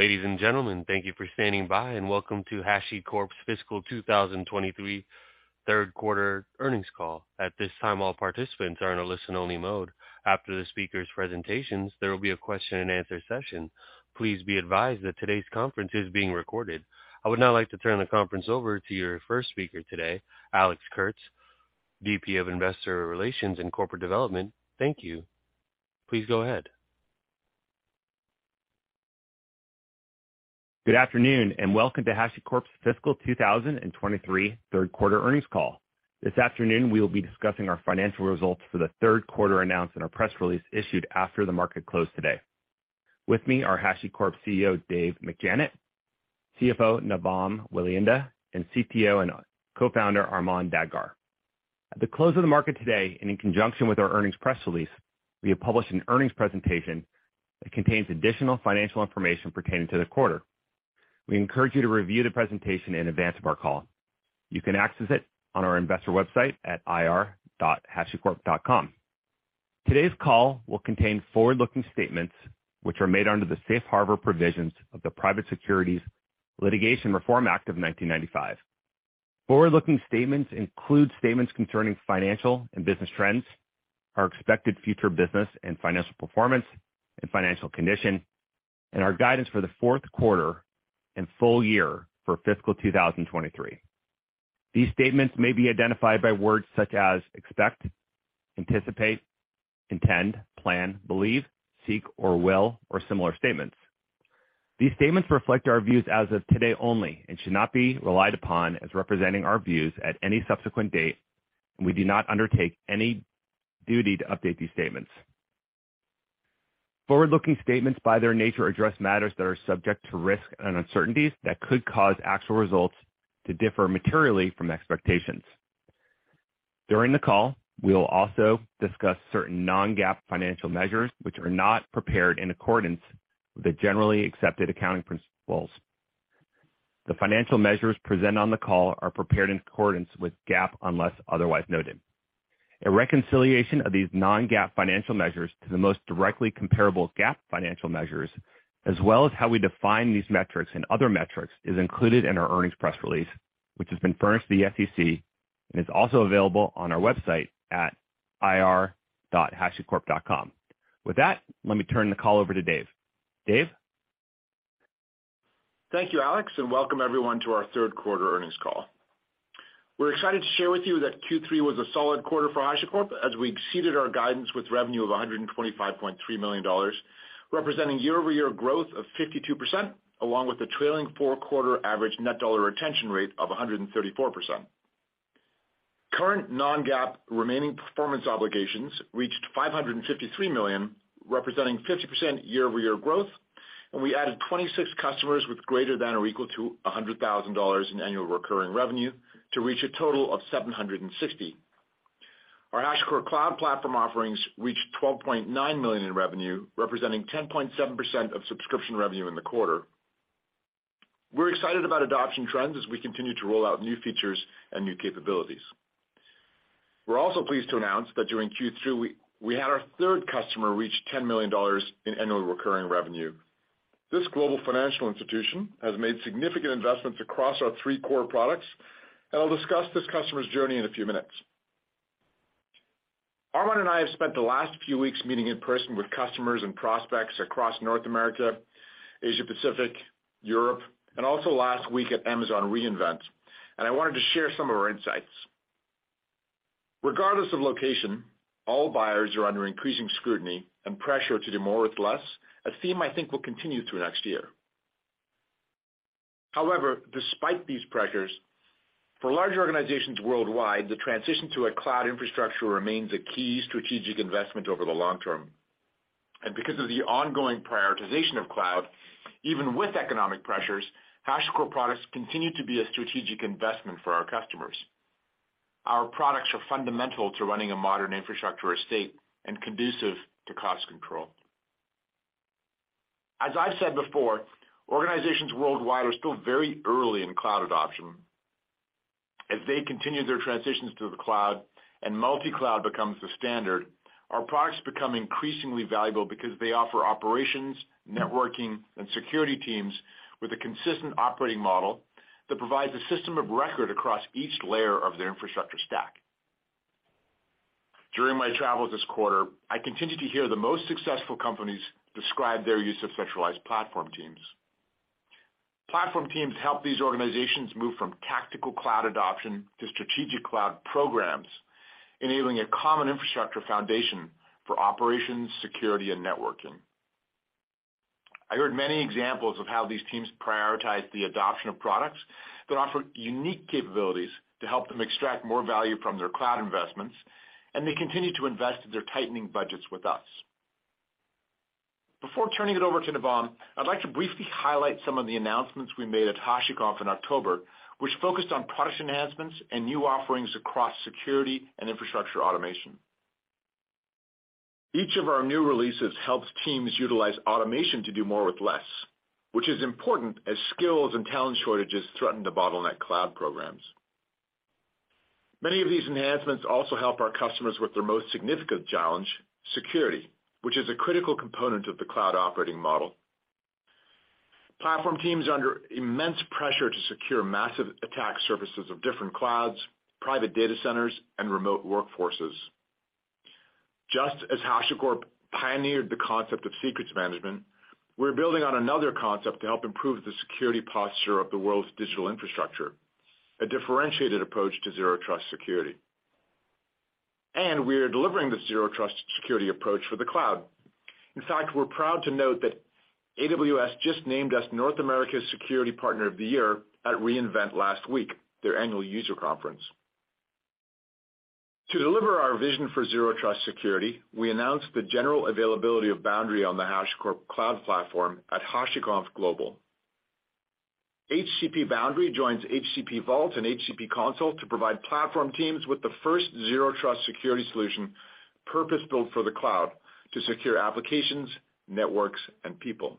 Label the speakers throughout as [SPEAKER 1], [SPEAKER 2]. [SPEAKER 1] Ladies and gentlemen, thank you for standing by, and welcome to HashiCorp's Fiscal 2023 Third Quarter Earnings Call. At this time, all participants are in a listen-only mode. After the speakers' presentations, there will be a question-and-answer session. Please be advised that today's conference is being recorded. I would now like to turn the conference over to your first speaker today, Alex Kurtz, VP of Investor Relations and Corporate Development. Thank you. Please go ahead.
[SPEAKER 2] Good afternoon, welcome to HashiCorp's Fiscal 2023 third quarter earnings call. This afternoon, we will be discussing our financial results for the third quarter announced in our press release issued after the market closed today. With me are HashiCorp CEO, Dave McJannet, CFO, Navam Welihinda, and CTO and Co-founder, Armon Dadgar. At the close of the market today, and in conjunction with our earnings press release, we have published an earnings presentation that contains additional financial information pertaining to the quarter. We encourage you to review the presentation in advance of our call. You can access it on our investor website at ir.hashicorp.com. Today's call will contain forward-looking statements which are made under the Safe Harbor provisions of the Private Securities Litigation Reform Act of 1995. Forward-looking statements include statements concerning financial and business trends, our expected future business and financial performance and financial condition, and our guidance for the fourth quarter and full year for fiscal 2023. These statements may be identified by words such as expect, anticipate, intend, plan, believe, seek or will, or similar statements. These statements reflect our views as of today only and should not be relied upon as representing our views at any subsequent date, and we do not undertake any duty to update these statements. Forward-looking statements, by their nature, address matters that are subject to risks and uncertainties that could cause actual results to differ materially from expectations. During the call, we will also discuss certain non-GAAP financial measures which are not prepared in accordance with the generally accepted accounting principles. The financial measures presented on the call are prepared in accordance with GAAP, unless otherwise noted. A reconciliation of these non-GAAP financial measures to the most directly comparable GAAP financial measures, as well as how we define these metrics and other metrics, is included in our earnings press release, which has been furnished to the SEC and is also available on our website at ir.hashicorp.com. With that, let me turn the call over to Dave. Dave?
[SPEAKER 3] Thank you, Alex. Welcome everyone to our third quarter earnings call. We're excited to share with you that Q3 was a solid quarter for HashiCorp as we exceeded our guidance with revenue of $125.3 million, representing year-over-year growth of 52%, along with the trailing four quarter average net dollar retention rate of 134%. Current non-GAAP remaining performance obligations reached $553 million, representing 50% year-over-year growth, and we added 26 customers with greater than or equal to $100,000 in annual recurring revenue to reach a total of 760. Our HashiCorp Cloud Platform offerings reached $12.9 million in revenue, representing 10.7% of subscription revenue in the quarter. We're excited about adoption trends as we continue to roll out new features and new capabilities. We're also pleased to announce that during Q3, we had our third customer reach $10 million in annual recurring revenue. This global financial institution has made significant investments across our three core products. I'll discuss this customer's journey in a few minutes. Armon and I have spent the last few weeks meeting in person with customers and prospects across North America, Asia-Pacific, Europe, also last week at Amazon re:Invent. I wanted to share some of our insights. Regardless of location, all buyers are under increasing scrutiny and pressure to do more with less, a theme I think will continue through next year. However, despite these pressures, for large organizations worldwide, the transition to a cloud infrastructure remains a key strategic investment over the long-term. Because of the ongoing prioritization of cloud, even with economic pressures, HashiCorp products continue to be a strategic investment for our customers. Our products are fundamental to running a modern infrastructure estate and conducive to cost control. As I've said before, organizations worldwide are still very early in cloud adoption. As they continue their transitions to the cloud and multi-cloud becomes the standard, our products become increasingly valuable because they offer operations, networking, and security teams with a consistent operating model that provides a system of record across each layer of their infrastructure stack. During my travels this quarter, I continued to hear the most successful companies describe their use of centralized platform teams. Platform teams help these organizations move from tactical cloud adoption to strategic cloud programs, enabling a common infrastructure foundation for operations, security, and networking. I heard many examples of how these teams prioritize the adoption of products that offer unique capabilities to help them extract more value from their cloud investments, and they continue to invest their tightening budgets with us. Before turning it over to Navam, I'd like to briefly highlight some of the announcements we made at HashiConf in October, which focused on product enhancements and new offerings across security and infrastructure automation. Each of our new releases helps teams utilize automation to do more with less, which is important as skills and talent shortages threaten to bottleneck cloud programs. Many of these enhancements also help our customers with their most significant challenge, security, which is a critical component of the cloud operating model. Platform teams are under immense pressure to secure massive attack surfaces of different clouds, private data centers, and remote workforces. Just as HashiCorp pioneered the concept of secrets management, we're building on another concept to help improve the security posture of the world's digital infrastructure, a differentiated approach to zero trust security. We are delivering this zero trust security approach for the cloud. In fact, we're proud to note that AWS just named us North America's Security Partner of the Year at re:Invent last week, their annual user conference. To deliver our vision for zero trust security, we announced the general availability of Boundary on the HashiCorp Cloud Platform at HashiConf Global. HCP Boundary joins HCP Vault and HCP Consul to provide platform teams with the first zero trust security solution purpose-built for the cloud to secure applications, networks, and people.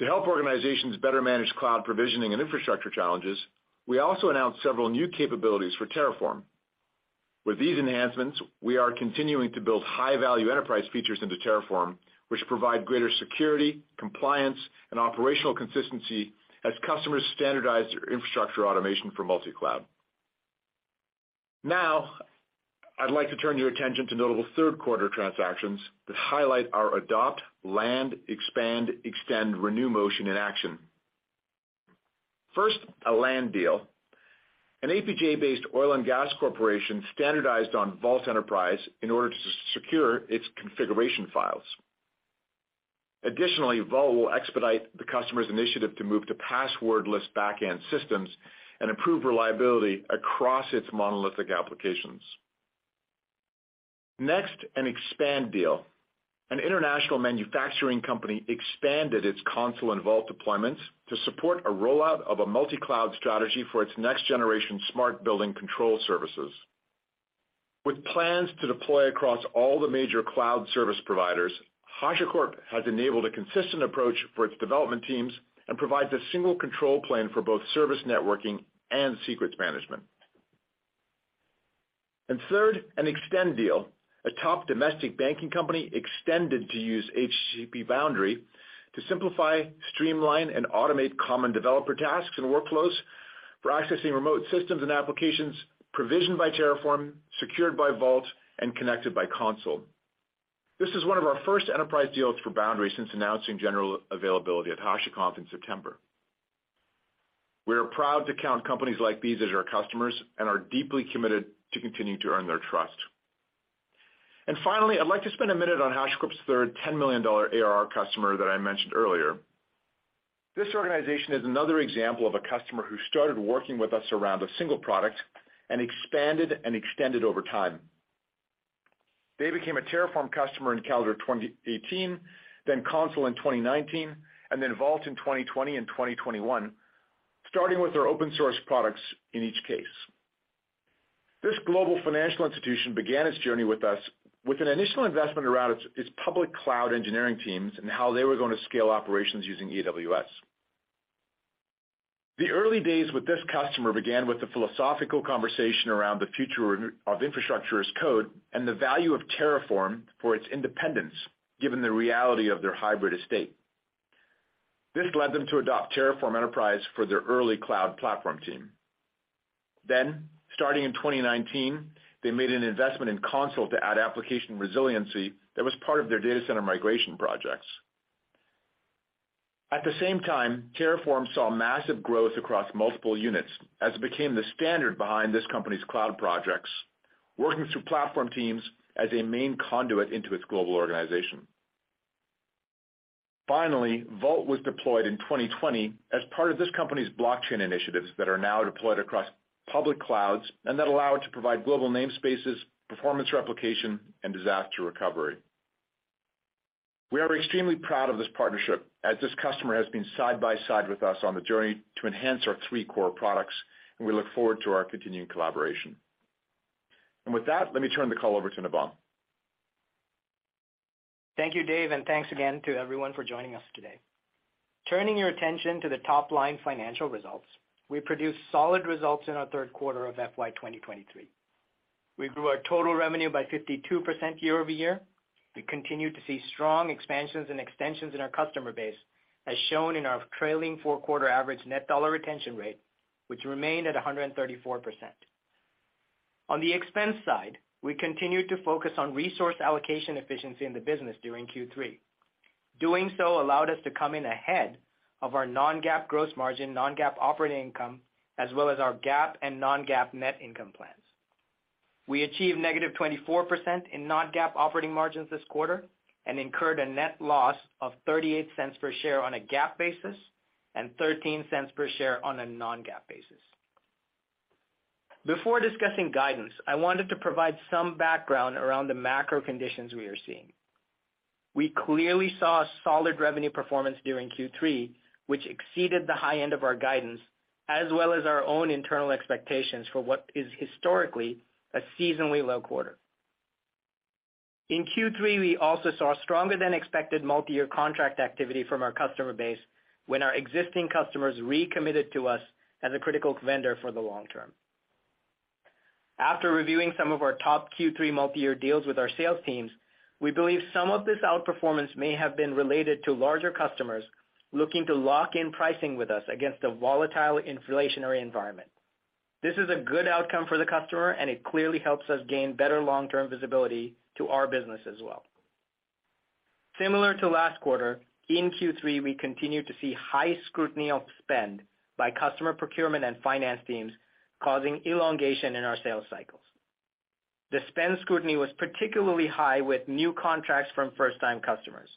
[SPEAKER 3] To help organizations better manage cloud provisioning and infrastructure challenges, we also announced several new capabilities for Terraform. With these enhancements, we are continuing to build high-value enterprise features into Terraform, which provide greater security, compliance, and operational consistency as customers standardize their infrastructure automation for multi-cloud. Now, I'd like to turn your attention to notable third quarter transactions that highlight our adopt, land, expand, extend, renew motion in action. First, a land deal. An APJ-based oil and gas corporation standardized on Vault Enterprise in order to secure its configuration files. Additionally, Vault will expedite the customer's initiative to move to passwordless backend systems and improve reliability across its monolithic applications. Next, an expand deal. An international manufacturing company expanded its Consul and Vault deployments to support a rollout of a multi-cloud strategy for its next-generation smart building control services. With plans to deploy across all the major cloud service providers, HashiCorp has enabled a consistent approach for its development teams and provides a single control plane for both service networking and secrets management. Third, an extend deal. A top domestic banking company extended to use HCP Boundary to simplify, streamline, and automate common developer tasks and workflows for accessing remote systems and applications provisioned by Terraform, secured by Vault, and connected by Consul. This is one of our first enterprise deals for Boundary since announcing general availability at HashiConf in September. We are proud to count companies like these as our customers and are deeply committed to continuing to earn their trust. Finally, I'd like to spend a minute on HashiCorp's third $10 million ARR customer that I mentioned earlier. This organization is another example of a customer who started working with us around a single product and expanded and extended over time. They became a Terraform customer in calendar 2018, then Consul in 2019, and then Vault in 2020 and 2021, starting with our open source products in each case. This global financial institution began its journey with us with an initial investment around its public cloud engineering teams and how they were going to scale operations using AWS. The early days with this customer began with a philosophical conversation around the future of infrastructure as code and the value of Terraform for its independence, given the reality of their hybrid estate. This led them to adopt Terraform Enterprise for their early cloud platform team. Starting in 2019, they made an investment in Consul to add application resiliency that was part of their data center migration projects. At the same time, Terraform saw massive growth across multiple units as it became the standard behind this company's cloud projects, working through platform teams as a main conduit into its global organization. Vault was deployed in 2020 as part of this company's blockchain initiatives that are now deployed across public clouds and that allow it to provide global namespaces, performance replication, and disaster recovery. We are extremely proud of this partnership as this customer has been side by side with us on the journey to enhance our 3 core products, and we look forward to our continuing collaboration. With that, let me turn the call over to Navam.
[SPEAKER 4] Thank you, Dave. Thanks again to everyone for joining us today. Turning your attention to the top-line financial results, we produced solid results in our third quarter of FY 2023. We grew our total revenue by 52% year-over-year. We continued to see strong expansions and extensions in our customer base, as shown in our trailing four-quarter average net dollar retention rate, which remained at 134%. On the expense side, we continued to focus on resource allocation efficiency in the business during Q3. Doing so allowed us to come in ahead of our non-GAAP gross margin, non-GAAP operating income, as well as our GAAP and non-GAAP net income plans. We achieved -24% in non-GAAP operating margins this quarter and incurred a net loss of $0.38 per share on a GAAP basis and $0.13 per share on a non-GAAP basis. Before discussing guidance, I wanted to provide some background around the macro conditions we are seeing. We clearly saw solid revenue performance during Q3, which exceeded the high end of our guidance as well as our own internal expectations for what is historically a seasonally low quarter. In Q3, we also saw stronger than expected multi-year contract activity from our customer base when our existing customers recommitted to us as a critical vendor for the long-term. After reviewing some of our top Q3 multi-year deals with our sales teams, we believe some of this outperformance may have been related to larger customers looking to lock in pricing with us against a volatile inflationary environment. This is a good outcome for the customer, and it clearly helps us gain better long-term visibility to our business as well. Similar to last quarter, in Q3, we continued to see high scrutiny of spend by customer procurement and finance teams, causing elongation in our sales cycles. The spend scrutiny was particularly high with new contracts from first-time customers.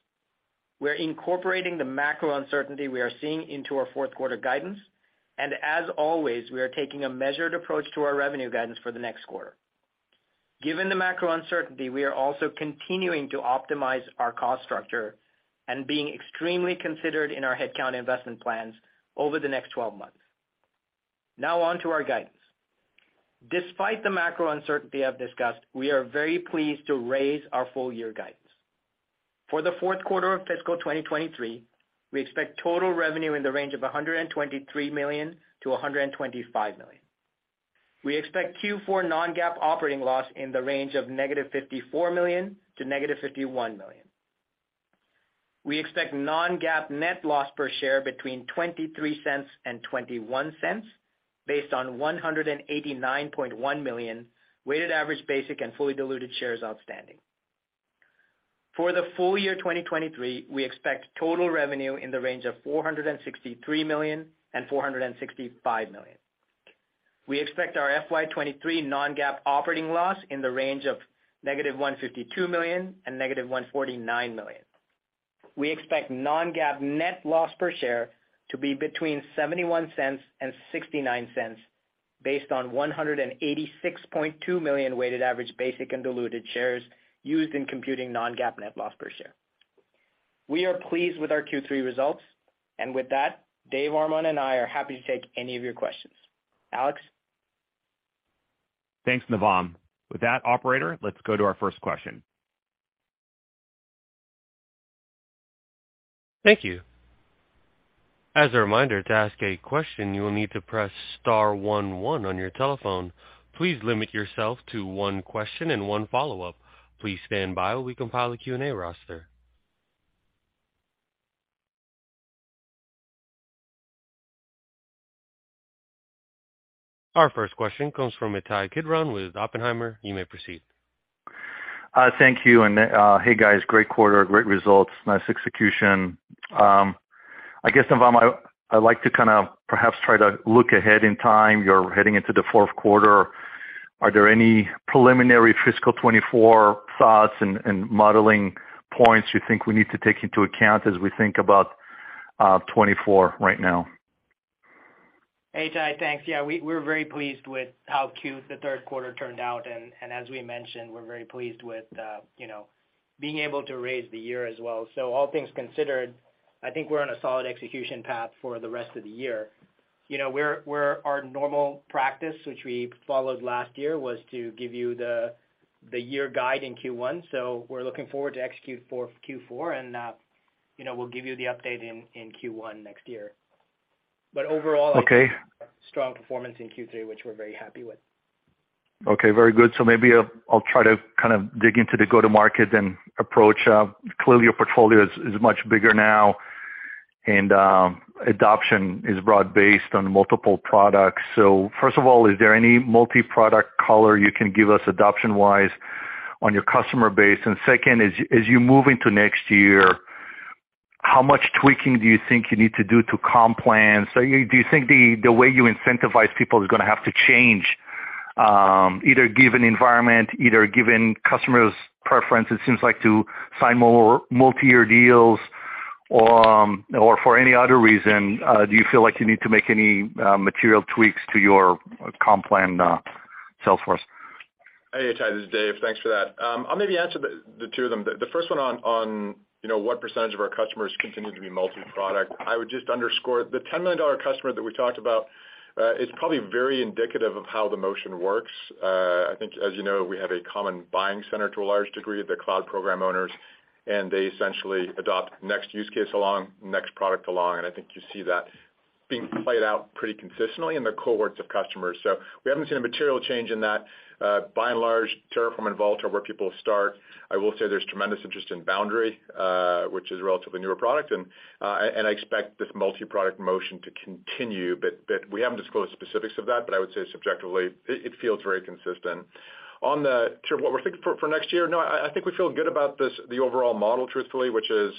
[SPEAKER 4] We're incorporating the macro uncertainty we are seeing into our fourth quarter guidance. As always, we are taking a measured approach to our revenue guidance for the next quarter. Given the macro uncertainty, we are also continuing to optimize our cost structure and being extremely considered in our headcount investment plans over the next 12 months. Now on to our guidance. Despite the macro uncertainty I've discussed, we are very pleased to raise our full year guidance. For the fourth quarter of fiscal 2023, we expect total revenue in the range of $123 million-$125 million. We expect Q4 non-GAAP operating loss in the range of -$54 million to -$51 million. We expect non-GAAP net loss per share between $0.23 and $0.21 based on 189.1 million weighted average basic and fully diluted shares outstanding. For the full year 2023, we expect total revenue in the range of $463 million and $465 million. We expect our FY 2023 non-GAAP operating loss in the range of -$152 million and -$149 million. We expect non-GAAP net loss per share to be between $0.71 and $0.69 based on 186.2 million weighted average basic and diluted shares used in computing non-GAAP net loss per share. We are pleased with our Q3 results. With that, Armon Dadgar and I are happy to take any of your questions. Alex?
[SPEAKER 2] Thanks, Navam. With that, operator, let's go to our first question.
[SPEAKER 1] Thank you. As a reminder, to ask a question, you will need to press star one one on your telephone. Please limit yourself to one question and one follow-up. Please stand by while we compile a Q&A roster. Our first question comes from Ittai Kidron with Oppenheimer. You may proceed.
[SPEAKER 5] Thank you. Hey, guys, great quarter, great results. Nice execution. I guess, Navam, I'd like to kind of perhaps try to look ahead in time. You're heading into the fourth quarter. Are there any preliminary fiscal 2024 thoughts and modeling points you think we need to take into account as we think about 2024 right now?
[SPEAKER 4] Hey, Ittai. Thanks. Yeah, we're very pleased with how the third quarter turned out. As we mentioned, we're very pleased with, you know, being able to raise the year as well. All things considered, I think we're on a solid execution path for the rest of the year. You know, we're Our normal practice, which we followed last year, was to give you the year guide in Q1. We're looking forward to execute for Q4. You know, we'll give you the update in Q1 next year.
[SPEAKER 5] Okay.
[SPEAKER 4] strong performance in Q3, which we're very happy with.
[SPEAKER 5] Okay, very good. Maybe I'll try to kind of dig into the go-to-market and approach. Clearly, your portfolio is much bigger now and adoption is broad-based on multiple products. First of all, is there any multi-product color you can give us adoption-wise on your customer base? Second, as you move into next year, how much tweaking do you think you need to do to comp plans? Do you think the way you incentivize people is gonna have to change, either given environment, either given customers' preference, it seems like, to sign more multi-year deals or for any other reason, do you feel like you need to make any material tweaks to your comp plan, sales force?
[SPEAKER 3] Hey, Ittai, this is Dave. Thanks for that. I'll maybe answer the two of them. The first one on, you know, what % of our customers continue to be multi-product. I would just underscore the $10 million customer that we talked about, is probably very indicative of how the motion works. I think, as you know, we have a common buying center to a large degree, the cloud program owners, and they essentially adopt next use case along, next product along, and I think you see that being played out pretty consistently in the cohorts of customers. We haven't seen a material change in that. By and large, Terraform and Vault are where people start. I will say there's tremendous interest in Boundary, which is a relatively newer product. I expect this multi-product motion to continue, but we haven't disclosed specifics of that. I would say subjectively, it feels very consistent. to what we're thinking for next year, I think we feel good about this, the overall model, truthfully, which is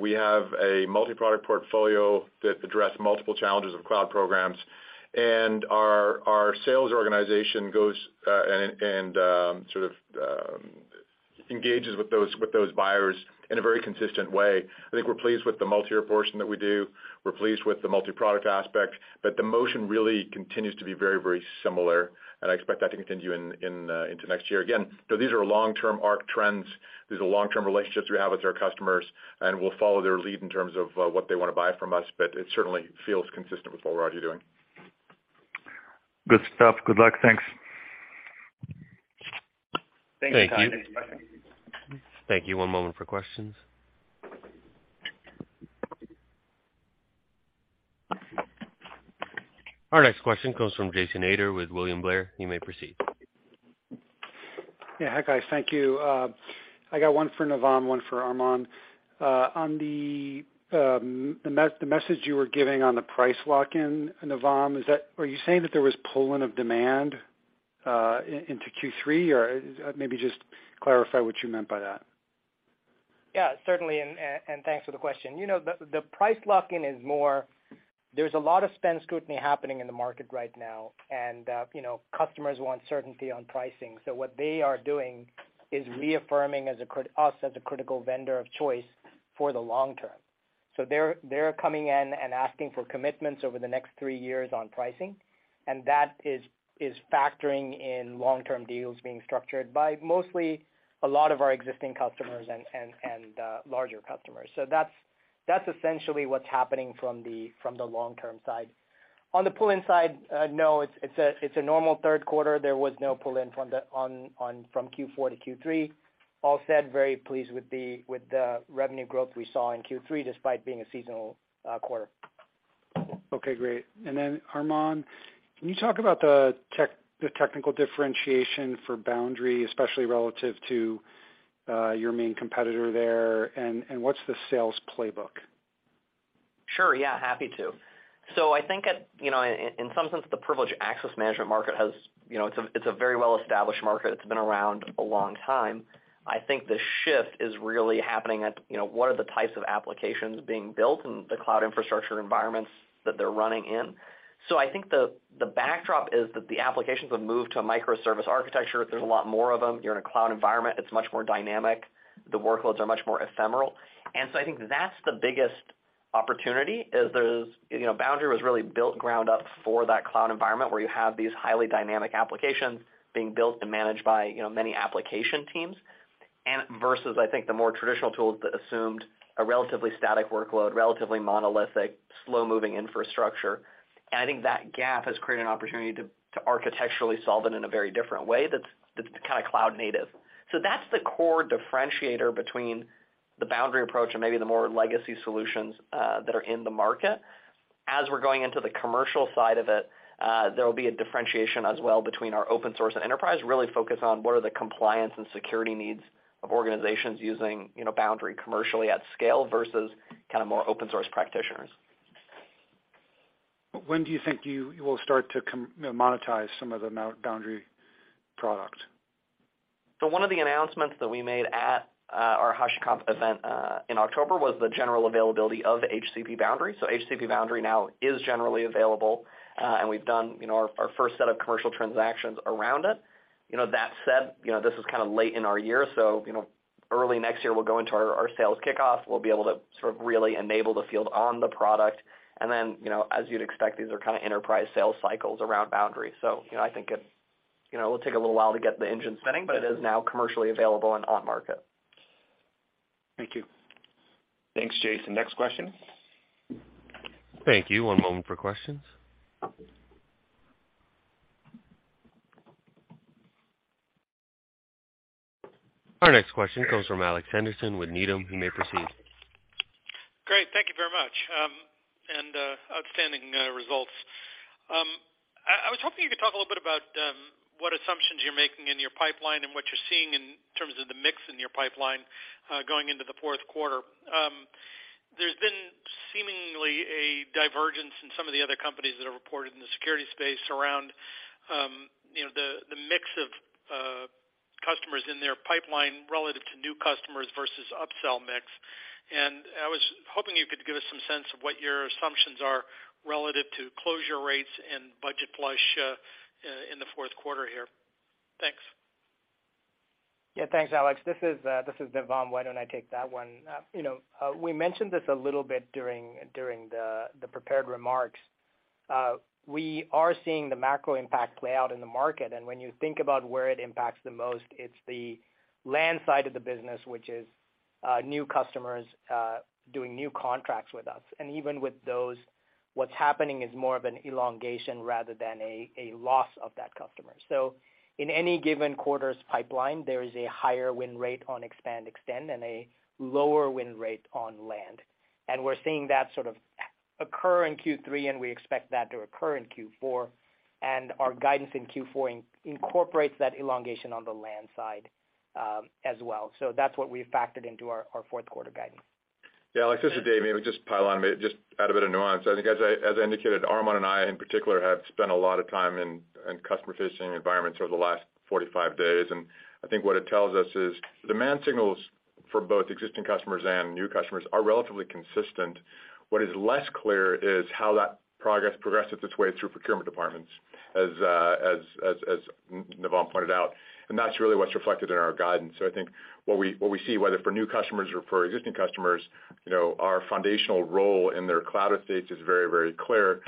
[SPEAKER 3] we have a multi-product portfolio that address multiple challenges of cloud programs, and our sales organization goes and sort of engages with those, with those buyers in a very consistent way. I think we're pleased with the multi-year portion that we do. We're pleased with the multi-product aspect, that the motion really continues to be very, very similar, and I expect that to continue into next year. These are long-term arc trends. These are long-term relationships we have with our customers, and we'll follow their lead in terms of what they wanna buy from us, but it certainly feels consistent with what we're already doing.
[SPEAKER 5] Good stuff. Good luck. Thanks.
[SPEAKER 3] Thank you. Next question.
[SPEAKER 1] Thank you. One moment for questions. Our next question comes from Jason Ader with William Blair. You may proceed.
[SPEAKER 6] Yeah. Hi, guys. Thank you. I got one for Navam, one for Armon. On the message you were giving on the price lock-in, Navam, are you saying that there was pull-in of demand into Q3? Maybe just clarify what you meant by that.
[SPEAKER 4] Yeah, certainly. and thanks for the question. You know, the price lock-in is more there's a lot of spend scrutiny happening in the market right now, and, you know, customers want certainty on pricing. What they are doing is reaffirming us as a critical vendor of choice for the long-term. They're coming in and asking for commitments over the next three years on pricing, and that is factoring in long-term deals being structured by mostly a lot of our existing customers and larger customers. That's essentially what's happening from the long-term side. On the pull-in side, no, it's a normal third quarter. There was no pull-in from Q4 to Q3. All said, very pleased with the revenue growth we saw in Q3, despite being a seasonal quarter.
[SPEAKER 6] Okay, great. Armon, can you talk about the technical differentiation for Boundary, especially relative to your main competitor there? What's the sales playbook?
[SPEAKER 7] Sure, yeah, happy to. I think at, you know, in some sense, the privileged access management market has, you know, it's a very well-established market. It's been around a long time. I think the shift is really happening at, you know, what are the types of applications being built and the cloud infrastructure environments that they're running in. I think the backdrop is that the applications have moved to a microservice architecture. There's a lot more of them. You're in a cloud environment, it's much more dynamic. The workloads are much more ephemeral. I think that's the biggest opportunity, is there's, you know, Boundary was really built ground up for that cloud environment where you have these highly dynamic applications being built and managed by, you know, many application teams. Versus I think the more traditional tools that assumed a relatively static workload, relatively monolithic, slow-moving infrastructure. I think that gap has created an opportunity to architecturally solve it in a very different way that's kind of cloud native. That's the core differentiator between the Boundary approach and maybe the more legacy solutions that are in the market. As we're going into the commercial side of it, there will be a differentiation as well between our open source and enterprise, really focused on what are the compliance and security needs of organizations using, you know, Boundary commercially at scale versus kind of more open source practitioners.
[SPEAKER 6] When do you think you will start to you know, monetize some of the Boundary product?
[SPEAKER 7] One of the announcements that we made at our HashiConf event in October was the general availability of HCP Boundary. HCP Boundary now is generally available, and we've done, you know, our first set of commercial transactions around it. You know, that said, you know, this is kinda late in our year, so, you know, early next year we'll go into our sales kickoff. We'll be able to sort of really enable the field on the product. You know, as you'd expect, these are kinda enterprise sales cycles around Boundary. You know, I think it, you know, will take a little while to get the engine spinning, but it is now commercially available and on market.
[SPEAKER 6] Thank you.
[SPEAKER 3] Thanks, Jason. Next question.
[SPEAKER 1] Thank you. One moment for questions. Our next question comes from Alex Henderson with Needham. You may proceed.
[SPEAKER 8] Great. Thank you very much. Outstanding results. I was hoping you could talk a little bit about what assumptions you're making in your pipeline and what you're seeing in terms of the mix in your pipeline going into the fourth quarter. There's been seemingly a divergence in some of the other companies that have reported in the security space around, you know, the mix of customers in their pipeline relative to new customers versus upsell mix. I was hoping you could give us some sense of what your assumptions are relative to closure rates and budget flush in the fourth quarter here. Thanks.
[SPEAKER 4] Yeah. Thanks, Alex. This is Navam. Why don't I take that one? You know, we mentioned this a little bit during the prepared remarks. We are seeing the macro impact play out in the market. When you think about where it impacts the most, it's the land side of the business, which is new customers doing new contracts with us. Even with those, what's happening is more of an elongation rather than a loss of that customer. In any given quarter's pipeline, there is a higher win rate on expand, extend, and a lower win rate on land. We're seeing that sort of occur in Q3, and we expect that to occur in Q4. Our guidance in Q4 incorporates that elongation on the land side as well. That's what we've factored into our fourth quarter guidance.
[SPEAKER 3] Yeah. Alex, this is Dave. Maybe just pile on, maybe just add a bit of nuance. I think as I indicated, Armon and I in particular have spent a lot of time in customer-facing environments over the last 45 days. I think what it tells us is demand signals for both existing customers and new customers are relatively consistent. What is less clear is how that progress progresses its way through procurement departments, as Navam pointed out. That's really what's reflected in our guidance. I think what we see, whether for new customers or for existing customers, you know, our foundational role in their cloud estates is very, very clear.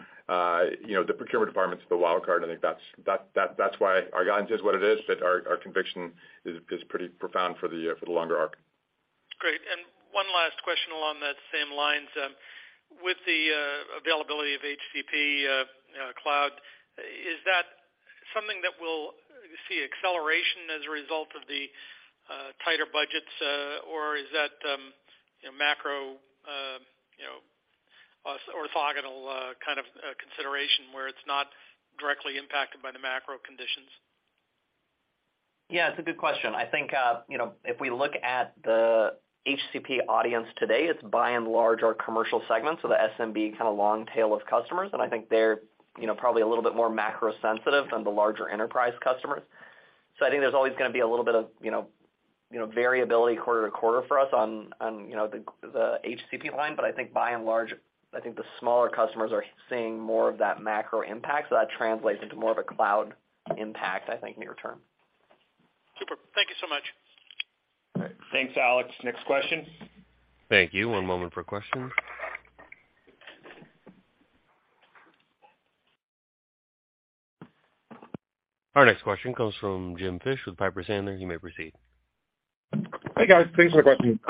[SPEAKER 3] You know, the procurement department's the wild card. I think that's why our guidance is what it is, but our conviction is pretty profound for the longer arc.
[SPEAKER 8] Great. One last question along that same lines. With the availability of HCP cloud, is that something that will see acceleration as a result of the tighter budgets, or is that, you know, macro, you know, orthogonal, kind of, consideration where it's not directly impacted by the macro conditions?
[SPEAKER 7] Yeah, it's a good question. I think, you know, if we look at the HCP audience today, it's by and large our commercial segment, so the SMB kind of long tail of customers. I think they're, you know, probably a little bit more macro sensitive than the larger enterprise customers. I think there's always gonna be a little bit of, you know, you know, variability quarter-to-quarter for us on, you know, the HCP line. I think by and large, I think the smaller customers are seeing more of that macro impact, so that translates into more of a cloud impact, I think, near term.
[SPEAKER 8] Super. Thank you so much.
[SPEAKER 7] All right.
[SPEAKER 3] Thanks, Alex. Next question.
[SPEAKER 1] Thank you. One moment for question. Our next question comes from James Fish with Piper Sandler. You may proceed.
[SPEAKER 9] Hey, guys. Thanks for the question.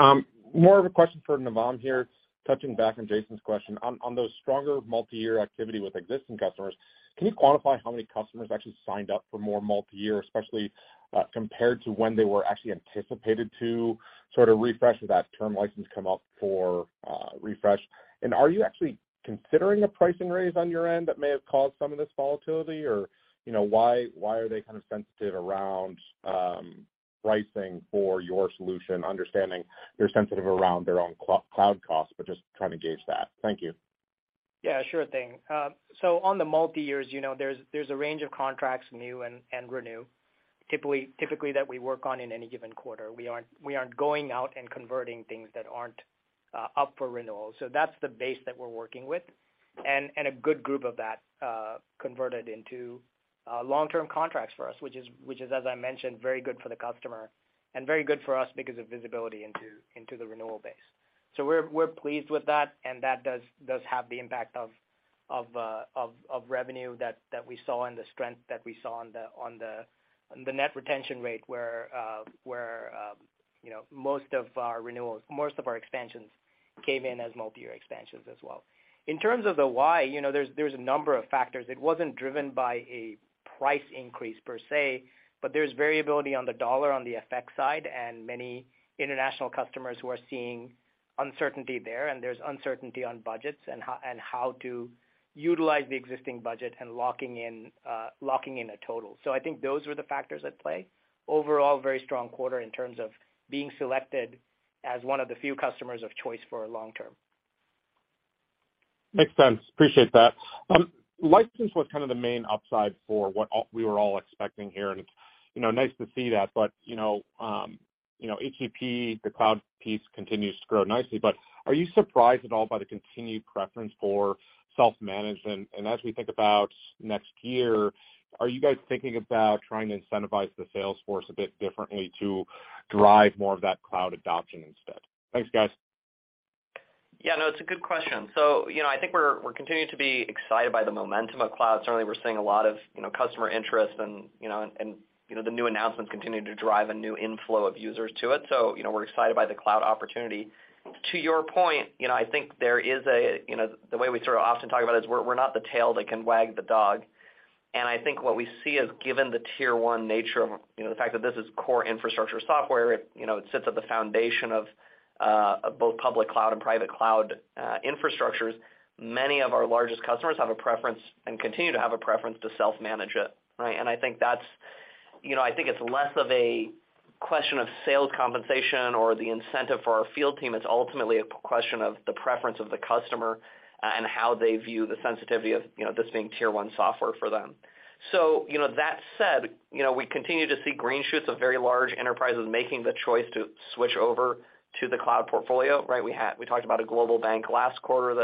[SPEAKER 9] More of a question for Navam here, touching back on Jason's question. On those stronger multi-year activity with existing customers, can you quantify how many customers actually signed up for more multi-year, especially compared to when they were actually anticipated to sort of refresh as that term license come up for refresh? Are you actually considering a pricing raise on your end that may have caused some of this volatility? Or, you know, why are they kind of sensitive around pricing for your solution, understanding they're sensitive around their own cloud costs, but just try and gauge that? Thank you.
[SPEAKER 4] Yeah, sure thing. On the multi-years, you know, there's a range of contracts, new and renew, typically that we work on in any given quarter. We aren't going out and converting things that aren't up for renewal. That's the base that we're working with. And a good group of that converted into long-term contracts for us, which is, as I mentioned, very good for the customer and very good for us because of visibility into the renewal base. We're pleased with that, and that does have the impact of revenue that we saw and the strength that we saw on the net retention rate, where, you know, most of our renewals, most of our expansions came in as multi-year expansions as well. In terms of the why, you know, there's a number of factors. It wasn't driven by a price increase per se, but there's variability on the dollar on the FX side, and many international customers who are seeing uncertainty there, and there's uncertainty on budgets and how to utilize the existing budget and locking in a total. I think those were the factors at play. Overall, very strong quarter in terms of being selected as one of the few customers of choice for long-term.
[SPEAKER 9] Makes sense. Appreciate that. License was kind of the main upside for what we were all expecting here, and it's, you know, nice to see that. You know, you know, HCP, the cloud piece continues to grow nicely. Are you surprised at all by the continued preference for self-management? As we think about next year, are you guys thinking about trying to incentivize the sales force a bit differently to drive more of that cloud adoption instead? Thanks, guys.
[SPEAKER 7] Yeah, no, it's a good question. You know, I think we're continuing to be excited by the momentum of cloud. Certainly, we're seeing a lot of, you know, customer interest and, you know, and, you know, the new announcements continuing to drive a new inflow of users to it. You know, we're excited by the cloud opportunity. To your point, you know, I think there is a, you know, the way we sort of often talk about is we're not the tail that can wag the dog. I think what we see is, given the tier 1 nature of, you know, the fact that this is core infrastructure software, it, you know, it sits at the foundation of both public cloud and private cloud infrastructures. Many of our largest customers have a preference and continue to have a preference to self-manage it, right? I think that's, you know, I think it's less of a question of sales compensation or the incentive for our field team. It's ultimately a question of the preference of the customer, and how they view the sensitivity of, you know, this being tier 1 software for them. You know, that said, you know, we continue to see green shoots of very large enterprises making the choice to switch over to the cloud portfolio, right? We talked about a global bank last quarter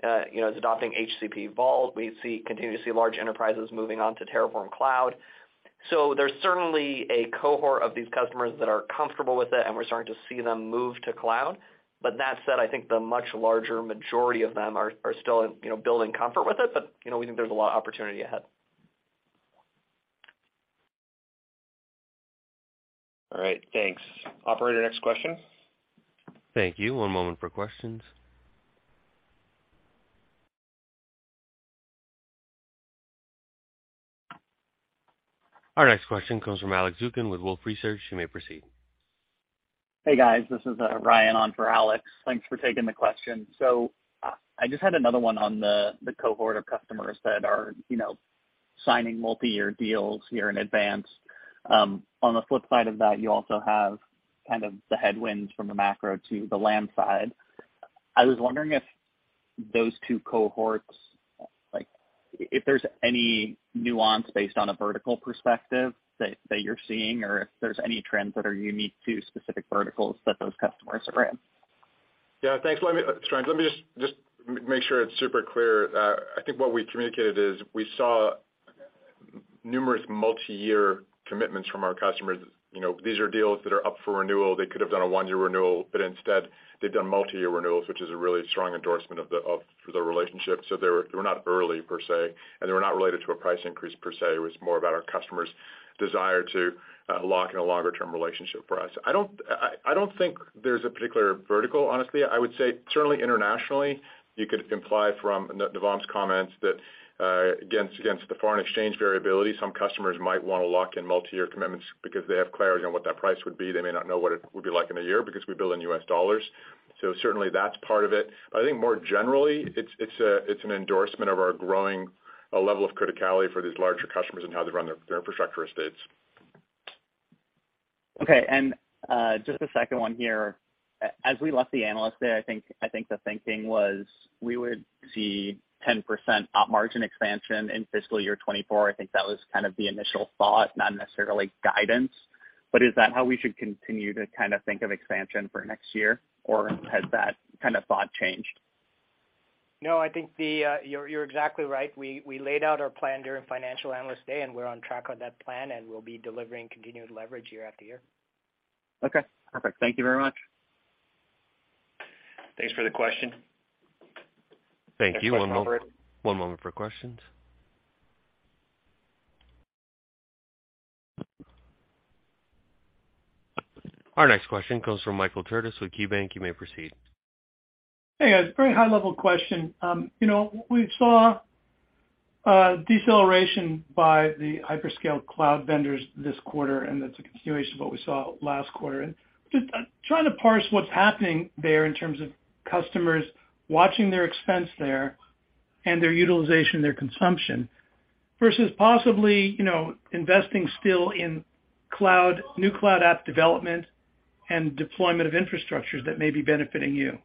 [SPEAKER 7] that, you know, is adopting HCP Vault. We continue to see large enterprises moving on to Terraform Cloud. There's certainly a cohort of these customers that are comfortable with it, and we're starting to see them move to cloud. That said, I think the much larger majority of them are still, you know, building comfort with it. You know, we think there's a lot of opportunity ahead.
[SPEAKER 9] All right. Thanks.
[SPEAKER 3] Operator, next question.
[SPEAKER 1] Thank you. One moment for questions. Our next question comes from Alex Zukin with Wolfe Research. You may proceed.
[SPEAKER 10] Hey, guys. This is Ryan on for Alex. Thanks for taking the question. I just had another one on the cohort of customers that are, you know, signing multi-year deals here in advance. On the flip side of that, you also have kind of the headwinds from the macro to the land side. I was wondering if those two cohorts, like if there's any nuance based on a vertical perspective that you're seeing or if there's any trends that are unique to specific verticals that those customers are in.
[SPEAKER 3] Yeah. Thanks. Ryan, let me just make sure it's super clear. I think what we communicated is we saw. Numerous multiyear commitments from our customers. You know, these are deals that are up for renewal. Instead they've done multiyear renewals, which is a really strong endorsement of the relationship. They were not early per se, and they were not related to a price increase per se. It was more about our customers' desire to lock in a longer-term relationship for us. I don't think there's a particular vertical, honestly. I would say certainly internationally, you could imply from Navam's comments that against the foreign exchange variability, some customers might wanna lock in multiyear commitments because they have clarity on what that price would be. They may not know what it would be like in a year because we bill in U.S. dollars. Certainly, that's part of it. I think more generally, it's an endorsement of our growing a level of criticality for these larger customers and how they run their infrastructure estates.
[SPEAKER 10] Okay. Just a second one here. As we left the analyst day, I think, I think the thinking was we would see 10% op margin expansion in fiscal year 2024. I think that was kind of the initial thought, not necessarily guidance. Is that how we should continue to kinda think of expansion for next year, or has that kind of thought changed?
[SPEAKER 4] No, You're exactly right. We laid out our plan during financial analyst day, and we're on track on that plan, and we'll be delivering continued leverage year-after-year.
[SPEAKER 10] Okay. Perfect. Thank you very much.
[SPEAKER 3] Thanks for the question.
[SPEAKER 1] Thank you. One moment. One moment for questions. Our next question comes from Michael Turits with KeyBanc. You may proceed.
[SPEAKER 11] Hey, guys. Very high level question. You know, we saw a deceleration by the hyperscale cloud vendors this quarter, and that's a continuation of what we saw last quarter. Just trying to parse what's happening there in terms of customers watching their expense there and their utilization, their consumption, versus possibly, you know, investing still in cloud, new cloud app development and deployment of infrastructures that may be benefiting you.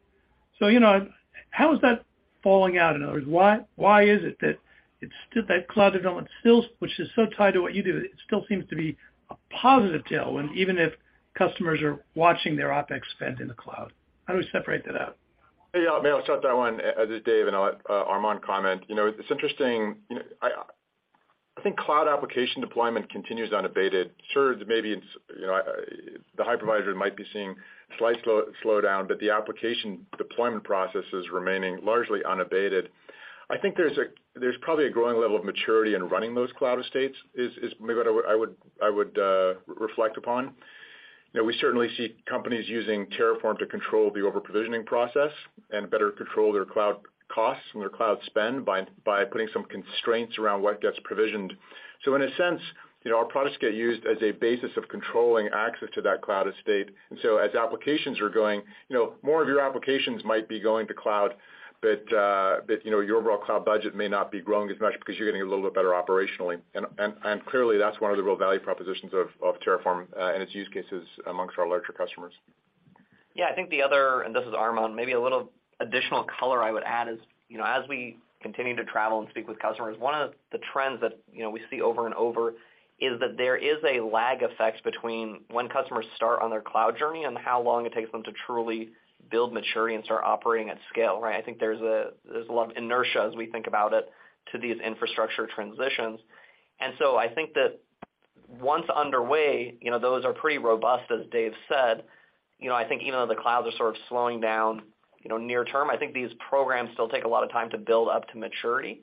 [SPEAKER 11] You know, how is that falling out? In other words, why is it that cloud development still, which is so tied to what you do, it still seems to be a positive tailwind, even if customers are watching their OpEx spend in the cloud. How do we separate that out?
[SPEAKER 3] Hey, maybe I'll start that one. This is Dave, and I'll let Armon comment. You know, it's interesting. You know, I think cloud application deployment continues unabated. Sure, maybe it's, you know, the hypervisor might be seeing slight slowdown, but the application deployment process is remaining largely unabated. I think there's a, there's probably a growing level of maturity in running those cloud estates, is maybe what I would, I would reflect upon. You know, we certainly see companies using Terraform to control the overprovisioning process and better control their cloud costs and their cloud spend by putting some constraints around what gets provisioned. In a sense, you know, our products get used as a basis of controlling access to that cloud estate. As applications are going, you know, more of your applications might be going to cloud, but, you know, your overall cloud budget may not be growing as much because you're getting a little bit better operationally. Clearly, that's one of the real value propositions of Terraform, and its use cases amongst our larger customers.
[SPEAKER 7] Yeah. I think the other, and this is Armon, maybe a little additional color I would add is, you know, as we continue to travel and speak with customers, one of the trends that, you know, we see over and over is that there is a lag effect between when customers start on their cloud journey and how long it takes them to truly build maturity and start operating at scale, right? I think there's a, there's a lot of inertia as we think about it to these infrastructure transitions. I think that once underway, you know, those are pretty robust, as Dave said. You know, I think even though the clouds are sort of slowing down, you know, near term, I think these programs still take a lot of time to build up to maturity.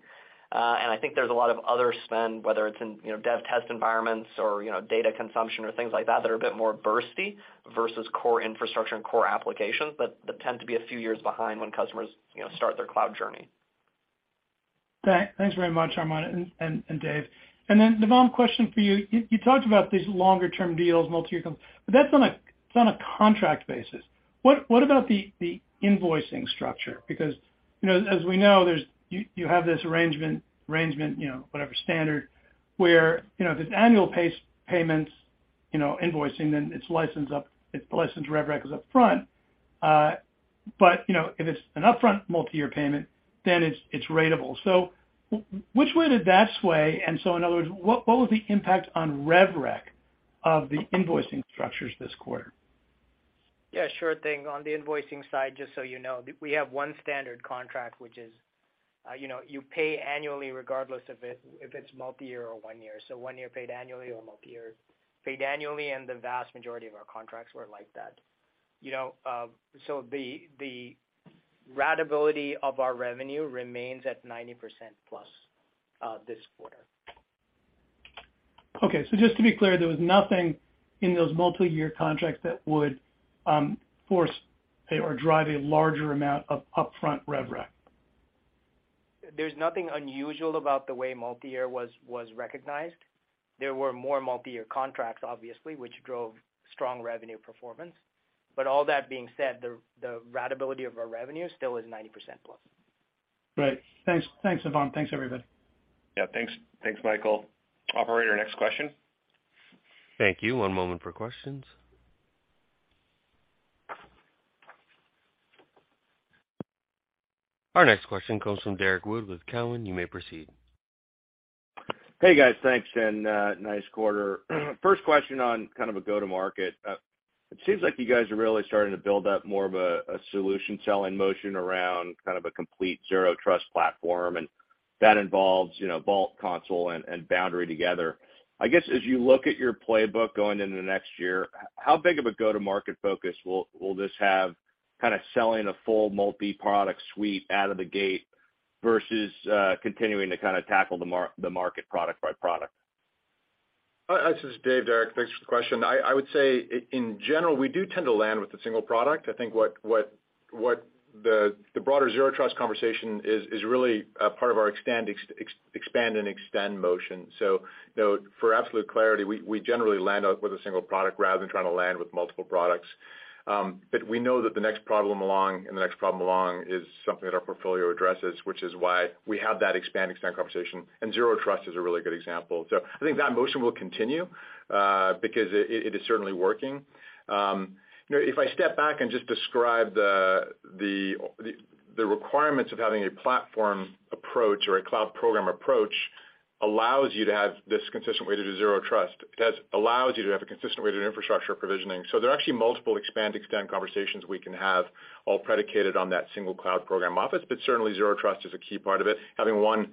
[SPEAKER 7] I think there's a lot of other spend, whether it's in, you know, dev test environments or, you know, data consumption or things like that are a bit more bursty versus core infrastructure and core applications that tend to be a few years behind when customers, you know, start their cloud journey.
[SPEAKER 11] Thanks very much, Armon and Dave. Navam, question for you. You talked about these longer term deals, multiyear deals, but that's on a contract basis. What about the invoicing structure? Because, you know, as we know, you have this arrangement, you know, whatever standard, where, you know, if it's annual pace payments, you know, invoicing, then it's license up, it's the license rev rec is up front. You know, if it's an upfront multi-year payment, then it's ratable. Which way did that sway? In other words, what was the impact on rev rec of the invoicing structures this quarter?
[SPEAKER 4] Yeah, sure thing. On the invoicing side, just so you know, we have one standard contract, which is, you know, you pay annually regardless if it's multi-year or one year. So one year paid annually or multi-year paid annually, and the vast majority of our contracts were like that. You know, so the ratability of our revenue remains at 90% plus this quarter.
[SPEAKER 11] Okay. Just to be clear, there was nothing in those multi-year contracts that would force or drive a larger amount of upfront rev rec.
[SPEAKER 4] There's nothing unusual about the way multi-year was recognized. There were more multi-year contracts, obviously, which drove strong revenue performance. All that being said, the ratability of our revenue still is 90% plus.
[SPEAKER 11] Great. Thanks. Thanks, Navam. Thanks, everybody.
[SPEAKER 3] Yeah, thanks. Thanks, Michael. Operator, next question.
[SPEAKER 1] Thank you. One moment for questions. Our next question comes from Derrick Wood with Cowen. You may proceed.
[SPEAKER 12] Hey, guys. Thanks, and nice quarter. First question on kind of a go-to-market. It seems like you guys are really starting to build up more of a solution selling motion around kind of a complete zero trust platform, and that involves, you know, Vault, Consul and Boundary together. I guess, as you look at your playbook going into the next year, how big of a go-to-market focus will this have kinda selling a full multi-product suite out of the gate versus continuing to kinda tackle the market product by product?
[SPEAKER 3] This is Dave, Derrick. Thanks for the question. I would say in general, we do tend to land with a single product. I think what the broader zero trust conversation is really part of our expand and extend motion. You know, for absolute clarity, we generally land out with a single product rather than trying to land with multiple products. We know that the next problem along and the next problem along is something that our portfolio addresses, which is why we have that expand-extend conversation, and zero trust is a really good example. I think that motion will continue because it is certainly working. You know, if I step back and just describe the requirements of having a platform approach or a cloud program approach allows you to have this consistent way to do zero trust. allows you to have a consistent way to do infrastructure provisioning. There are actually multiple expand-extend conversations we can have all predicated on that single cloud program office, but certainly zero trust is a key part of it. Having one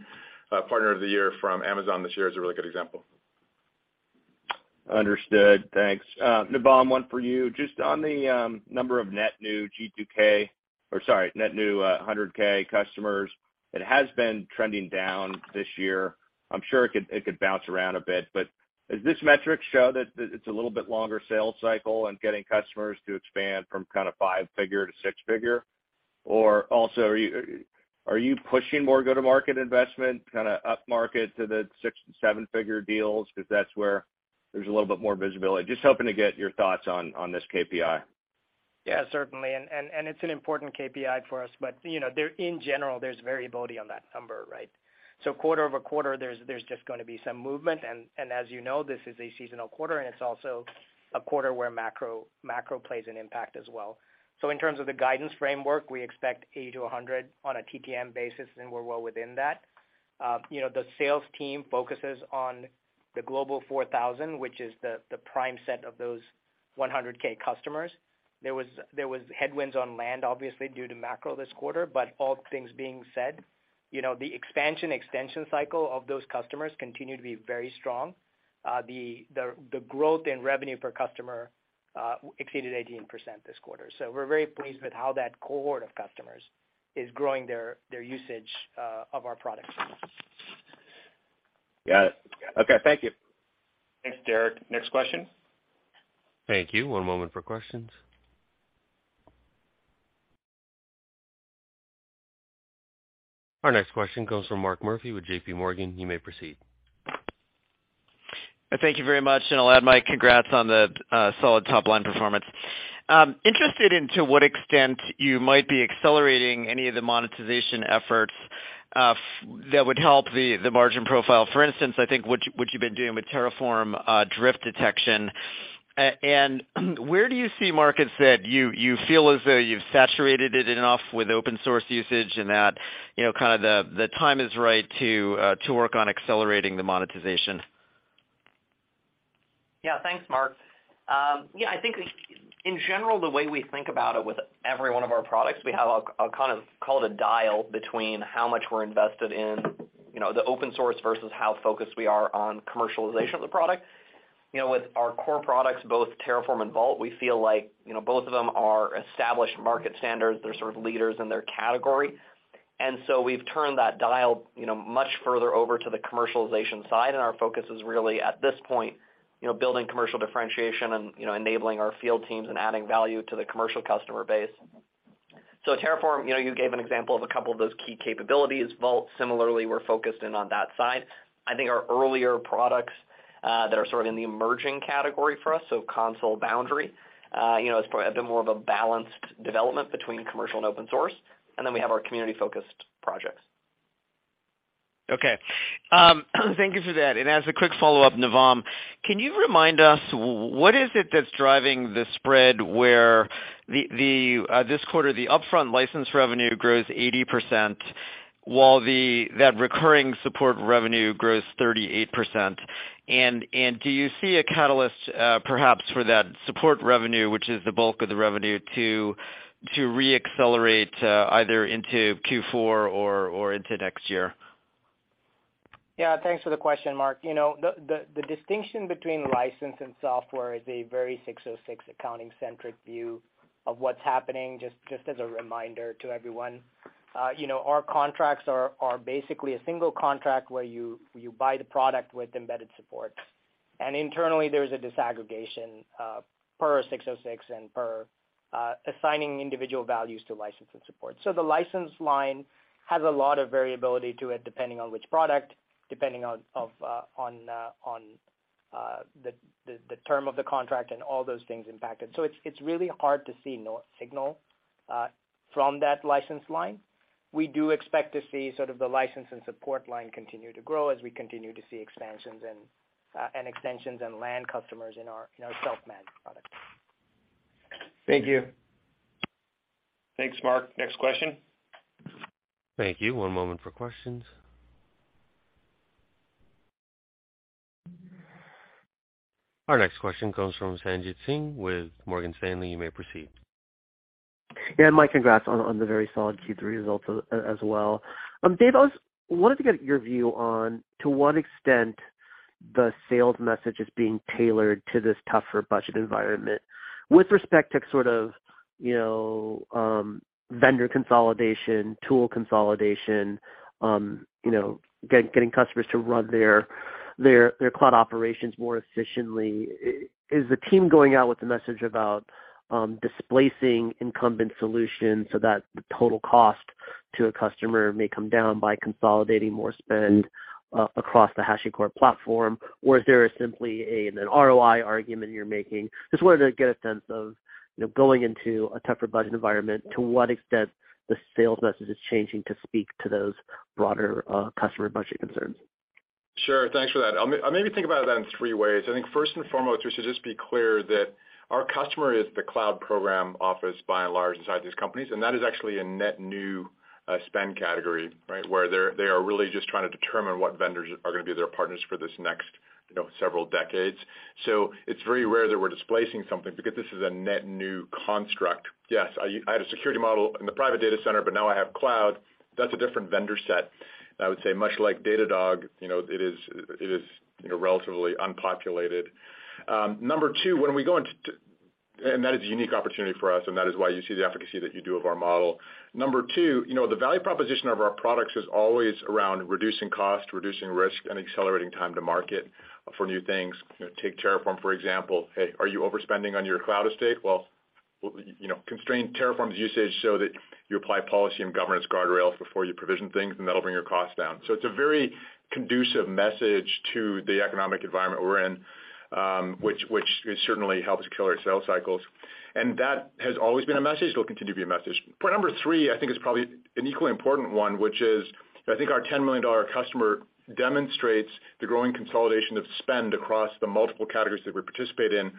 [SPEAKER 3] partner of the year from Amazon this year is a really good example.
[SPEAKER 12] Understood. Thanks. Navam, one for you. Just on the number of net new G2K, or sorry, net new 100K customers, it has been trending down this year. I'm sure it could bounce around a bit, but does this metric show that it's a little bit longer sales cycle and getting customers to expand from kind of five-figure to six-figure? Are you pushing more go-to-market investment kinda upmarket to the six and seven-figure deals because that's where there's a little bit more visibility? Just hoping to get your thoughts on this KPI.
[SPEAKER 4] Yeah, certainly. It's an important KPI for us. But, you know, in general, there's variability on that number, right? Quarter-over-quarter, there's just gonna be some movement. As you know, this is a seasonal quarter, and it's also a quarter where macro plays an impact as well. In terms of the guidance framework, we expect 80-100 on a TTM basis, and we're well within that. you know, the sales team focuses on the Global 4000, which is the prime set of those 100K customers. There was headwinds on land obviously due to macro this quarter, but all things being said, you know, the expansion, extension cycle of those customers continue to be very strong. The growth in revenue per customer, exceeded 18% this quarter. We're very pleased with how that cohort of customers is growing their usage of our products.
[SPEAKER 12] Got it. Okay. Thank you.
[SPEAKER 3] Thanks, Derrick. Next question.
[SPEAKER 1] Thank you. One moment for questions. Our next question comes from Mark Murphy with JPMorgan. You may proceed.
[SPEAKER 13] Thank you very much, and I'll add my congrats on the solid top-line performance. Interested into what extent you might be accelerating any of the monetization efforts that would help the margin profile. For instance, I think what you, what you've been doing with Terraform drift detection. Where do you see markets that you feel as though you've saturated it enough with open source usage and that, you know, kinda the time is right to work on accelerating the monetization?
[SPEAKER 7] Yeah. Thanks, Mark. Yeah, I think in general, the way we think about it with every one of our products, we have a kind of call it a dial between how much we're invested in, you know, the open source versus how focused we are on commercialization of the product. You know, with our core products, both Terraform and Vault, we feel like, you know, both of them are established market standards. They're sort of leaders in their category. We've turned that dial, you know, much further over to the commercialization side, and our focus is really, at this point, you know, building commercial differentiation and, you know, enabling our field teams and adding value to the commercial customer base. At Terraform, you know, you gave an example of a couple of those key capabilities. Vault, similarly, we're focused in on that side. I think our earlier products, that are sort of in the emerging category for us, so Consul, Boundary, you know, it's probably a bit more of a balanced development between commercial and open source. Then we have our community-focused projects.
[SPEAKER 13] Okay. Thank you for that. As a quick follow-up, Navam, can you remind us what is it that's driving the spread where the this quarter, the upfront license revenue grows 80%, while that recurring support revenue grows 38%? Do you see a catalyst, perhaps for that support revenue, which is the bulk of the revenue to re-accelerate either into Q4 or into next year?
[SPEAKER 4] Yeah. Thanks for the question, Mark Murphy. You know, the, the distinction between license and software is a very ASC 606 accounting-centric view of what's happening, just as a reminder to everyone. You know, our contracts are basically a single contract where you buy the product with embedded support. Internally, there's a disaggregation per ASC 606 and per assigning individual values to license and support. The license line has a lot of variability to it, depending on which product, depending on the, the term of the contract and all those things impacted. It's really hard to see no signal from that license line. We do expect to see sort of the license and support line continue to grow as we continue to see expansions and extensions and land customers in our self-managed products.
[SPEAKER 13] Thank you.
[SPEAKER 3] Thanks, Mark. Next question.
[SPEAKER 1] Thank you. One moment for questions. Our next question comes from Sanjit Singh with Morgan Stanley. You may proceed.
[SPEAKER 14] Yeah. Mike, congrats on the very solid Q3 results as well. Dave, I wanted to get your view on to what extent the sales message is being tailored to this tougher budget environment with respect to sort of, you know, vendor consolidation, tool consolidation, you know, getting customers to run their cloud operations more efficiently. Is the team going out with the message about displacing incumbent solutions so that the total cost to a customer may come down by consolidating more spend across the HashiCorp platform, or is there simply an ROI argument you're making? Just wanted to get a sense of, you know, going into a tougher budget environment, to what extent the sales message is changing to speak to those broader customer budget concerns.
[SPEAKER 3] Sure. Thanks for that. I'll maybe think about that in three ways. I think first and foremost, we should just be clear that our customer is the cloud program office by and large inside these companies, and that is actually a net new spend category, right? Where they are really just trying to determine what vendors are gonna be their partners for this next, you know, several decades. It's very rare that we're displacing something because this is a net new construct. Yes, I had a security model in the private data center, but now I have cloud. That's a different vendor set. I would say much like Datadog, you know, it is, you know, relatively unpopulated. Number two, That is a unique opportunity for us, and that is why you see the efficacy that you do of our model. Number two, you know, the value proposition of our products is always around reducing cost, reducing risk, and accelerating time to market for new things. You know, take Terraform, for example. Hey, are you overspending on your cloud estate? Well, you know, constrain Terraform's usage so that you apply policy and governance guardrails before you provision things, and that'll bring your costs down. It's a very conducive message to the economic environment we're in, which it certainly helps kill our sales cycles. That has always been a message. It'll continue to be a message. Point number three, I think, is probably an equally important one, which is I think our $10 million customer demonstrates the growing consolidation of spend across the multiple categories that we participate in,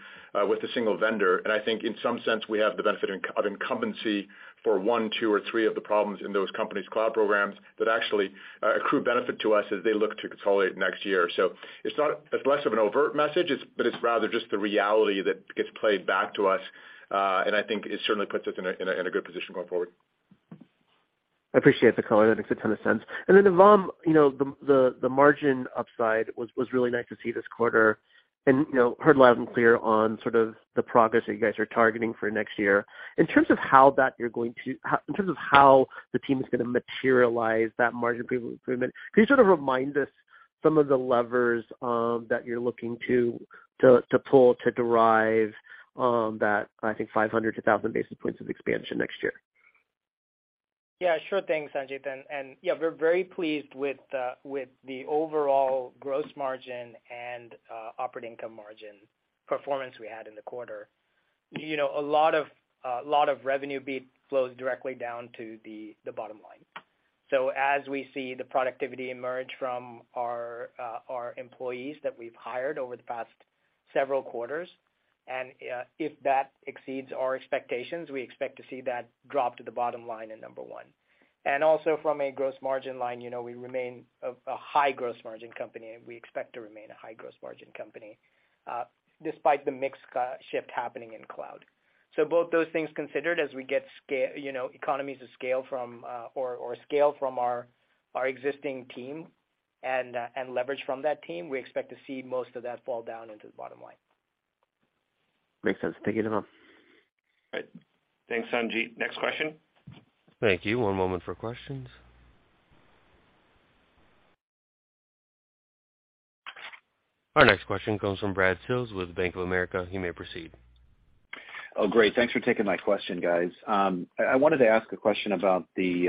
[SPEAKER 3] with a single vendor. I think in some sense, we have the benefit of incumbency for one, two or three of the problems in those companies' cloud programs that actually accrue benefit to us as they look to consolidate next year. It's less of an overt message, but it's rather just the reality that gets played back to us. I think it certainly puts us in a, in a, in a good position going forward.
[SPEAKER 14] I appreciate the color. That makes a ton of sense. Armon, you know, the margin upside was really nice to see this quarter. You know, heard loud and clear on sort of the progress that you guys are targeting for next year. In terms of how that you're going to in terms of how the team is gonna materialize that margin improvement, can you sort of remind us some of the levers that you're looking to pull to derive that I think 500-1,000 basis points of expansion next year?
[SPEAKER 4] Yeah, sure. Thanks, Sanjit. Yeah, we're very pleased with the overall gross margin and operating income margin performance we had in the quarter. You know, a lot of revenue beat flows directly down to the bottom line. As we see the productivity emerge from our employees that we've hired over the past several quarters, and if that exceeds our expectations, we expect to see that drop to the bottom line in number one. Also from a gross margin line, you know, we remain a high gross margin company, and we expect to remain a high gross margin company despite the mix shift happening in cloud. Both those things considered as we get scale, you know, economies of scale from, or scale from our existing team and leverage from that team, we expect to see most of that fall down into the bottom line.
[SPEAKER 14] Makes sense. Thank you, Armon.
[SPEAKER 3] All right. Thanks, Sanjit. Next question.
[SPEAKER 1] Thank you. One moment for questions. Our next question comes from Brad Sills with Bank of America. He may proceed.
[SPEAKER 15] Great. Thanks for taking my question, guys. I wanted to ask a question about the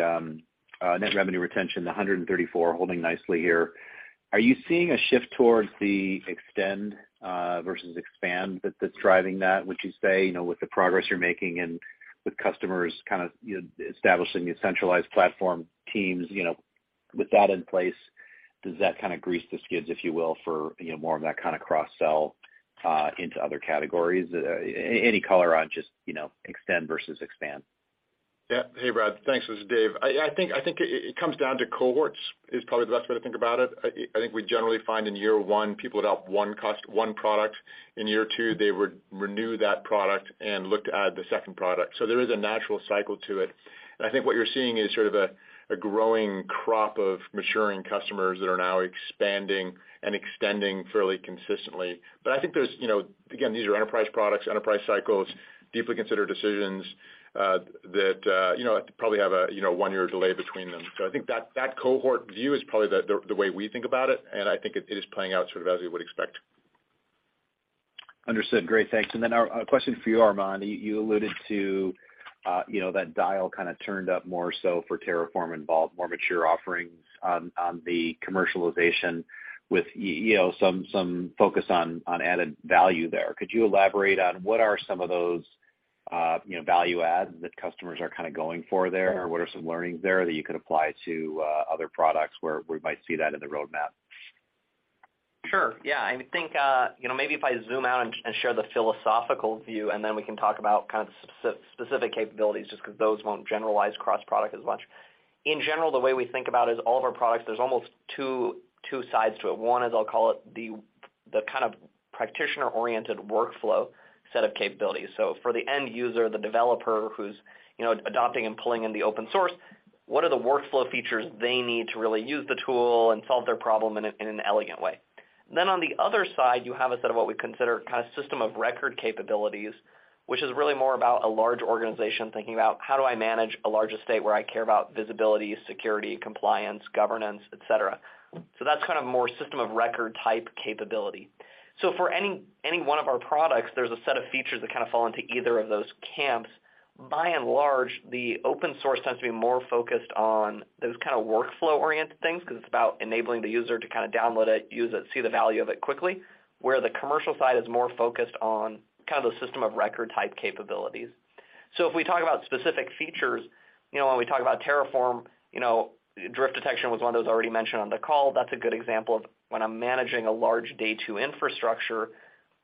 [SPEAKER 15] net revenue retention, the 134% holding nicely here. Are you seeing a shift towards the extend versus expand that's driving that would you say? You know, with the progress you're making and with customers kind of, you know, establishing centralized platform teams. You know, with that in place, does that kinda grease the skids, if you will, for, you know, more of that kinda cross-sell into other categories? Any color on just, you know, extend versus expand.
[SPEAKER 3] Yeah. Hey, Brad. Thanks. This is Dave. I think it comes down to cohorts is probably the best way to think about it. I think we generally find in year one, people adopt one product. In year two, they renew that product and look to add the second product. There is a natural cycle to it. I think what you're seeing is sort of a growing crop of maturing customers that are now expanding and extending fairly consistently. I think there's, you know, again, these are enterprise products, enterprise cycles, deeply considered decisions that, you know, probably have a, you know, one-year delay between them. I think that cohort view is probably the way we think about it, and I think it is playing out sort of as you would expect.
[SPEAKER 15] Understood. Great. Thanks. Then a question for you, Armon. You alluded to, you know, that dial kinda turned up more so for Terraform and Vault more mature offerings on the commercialization with, you know, some focus on added value there. Could you elaborate on what are some of those, you know, value adds that customers are kinda going for there? What are some learnings there that you could apply to, other products where we might see that in the roadmap?
[SPEAKER 7] Sure. Yeah. I think, you know, maybe if I zoom out and share the philosophical view, and then we can talk about kind of the spec-specific capabilities, just 'cause those won't generalize cross-product as much. In general, the way we think about is all of our products, there's almost two sides to it. One is I'll call it the, the kind of practitioner-oriented workflow set of capabilities. For the end user, the developer who's, you know, adopting and pulling in the open source, what are the workflow features they need to really use the tool and solve their problem in an elegant way? On the other side, you have a set of what we consider kind of system of record capabilities, which is really more about a large organization thinking about how do I manage a larger state where I care about visibility, security, compliance, governance, et cetera. That's kind of more system of record type capability. For any one of our products, there's a set of features that kind of fall into either of those camps. By and large, the open source tends to be more focused on those kind of workflow-oriented things 'cause it's about enabling the user to kind of download it, use it, see the value of it quickly, where the commercial side is more focused on kind of the system of record type capabilities. If we talk about specific features, you know, when we talk about Terraform, you know, drift detection was one that was already mentioned on the call. That's a good example of when I'm managing a large day two infrastructure,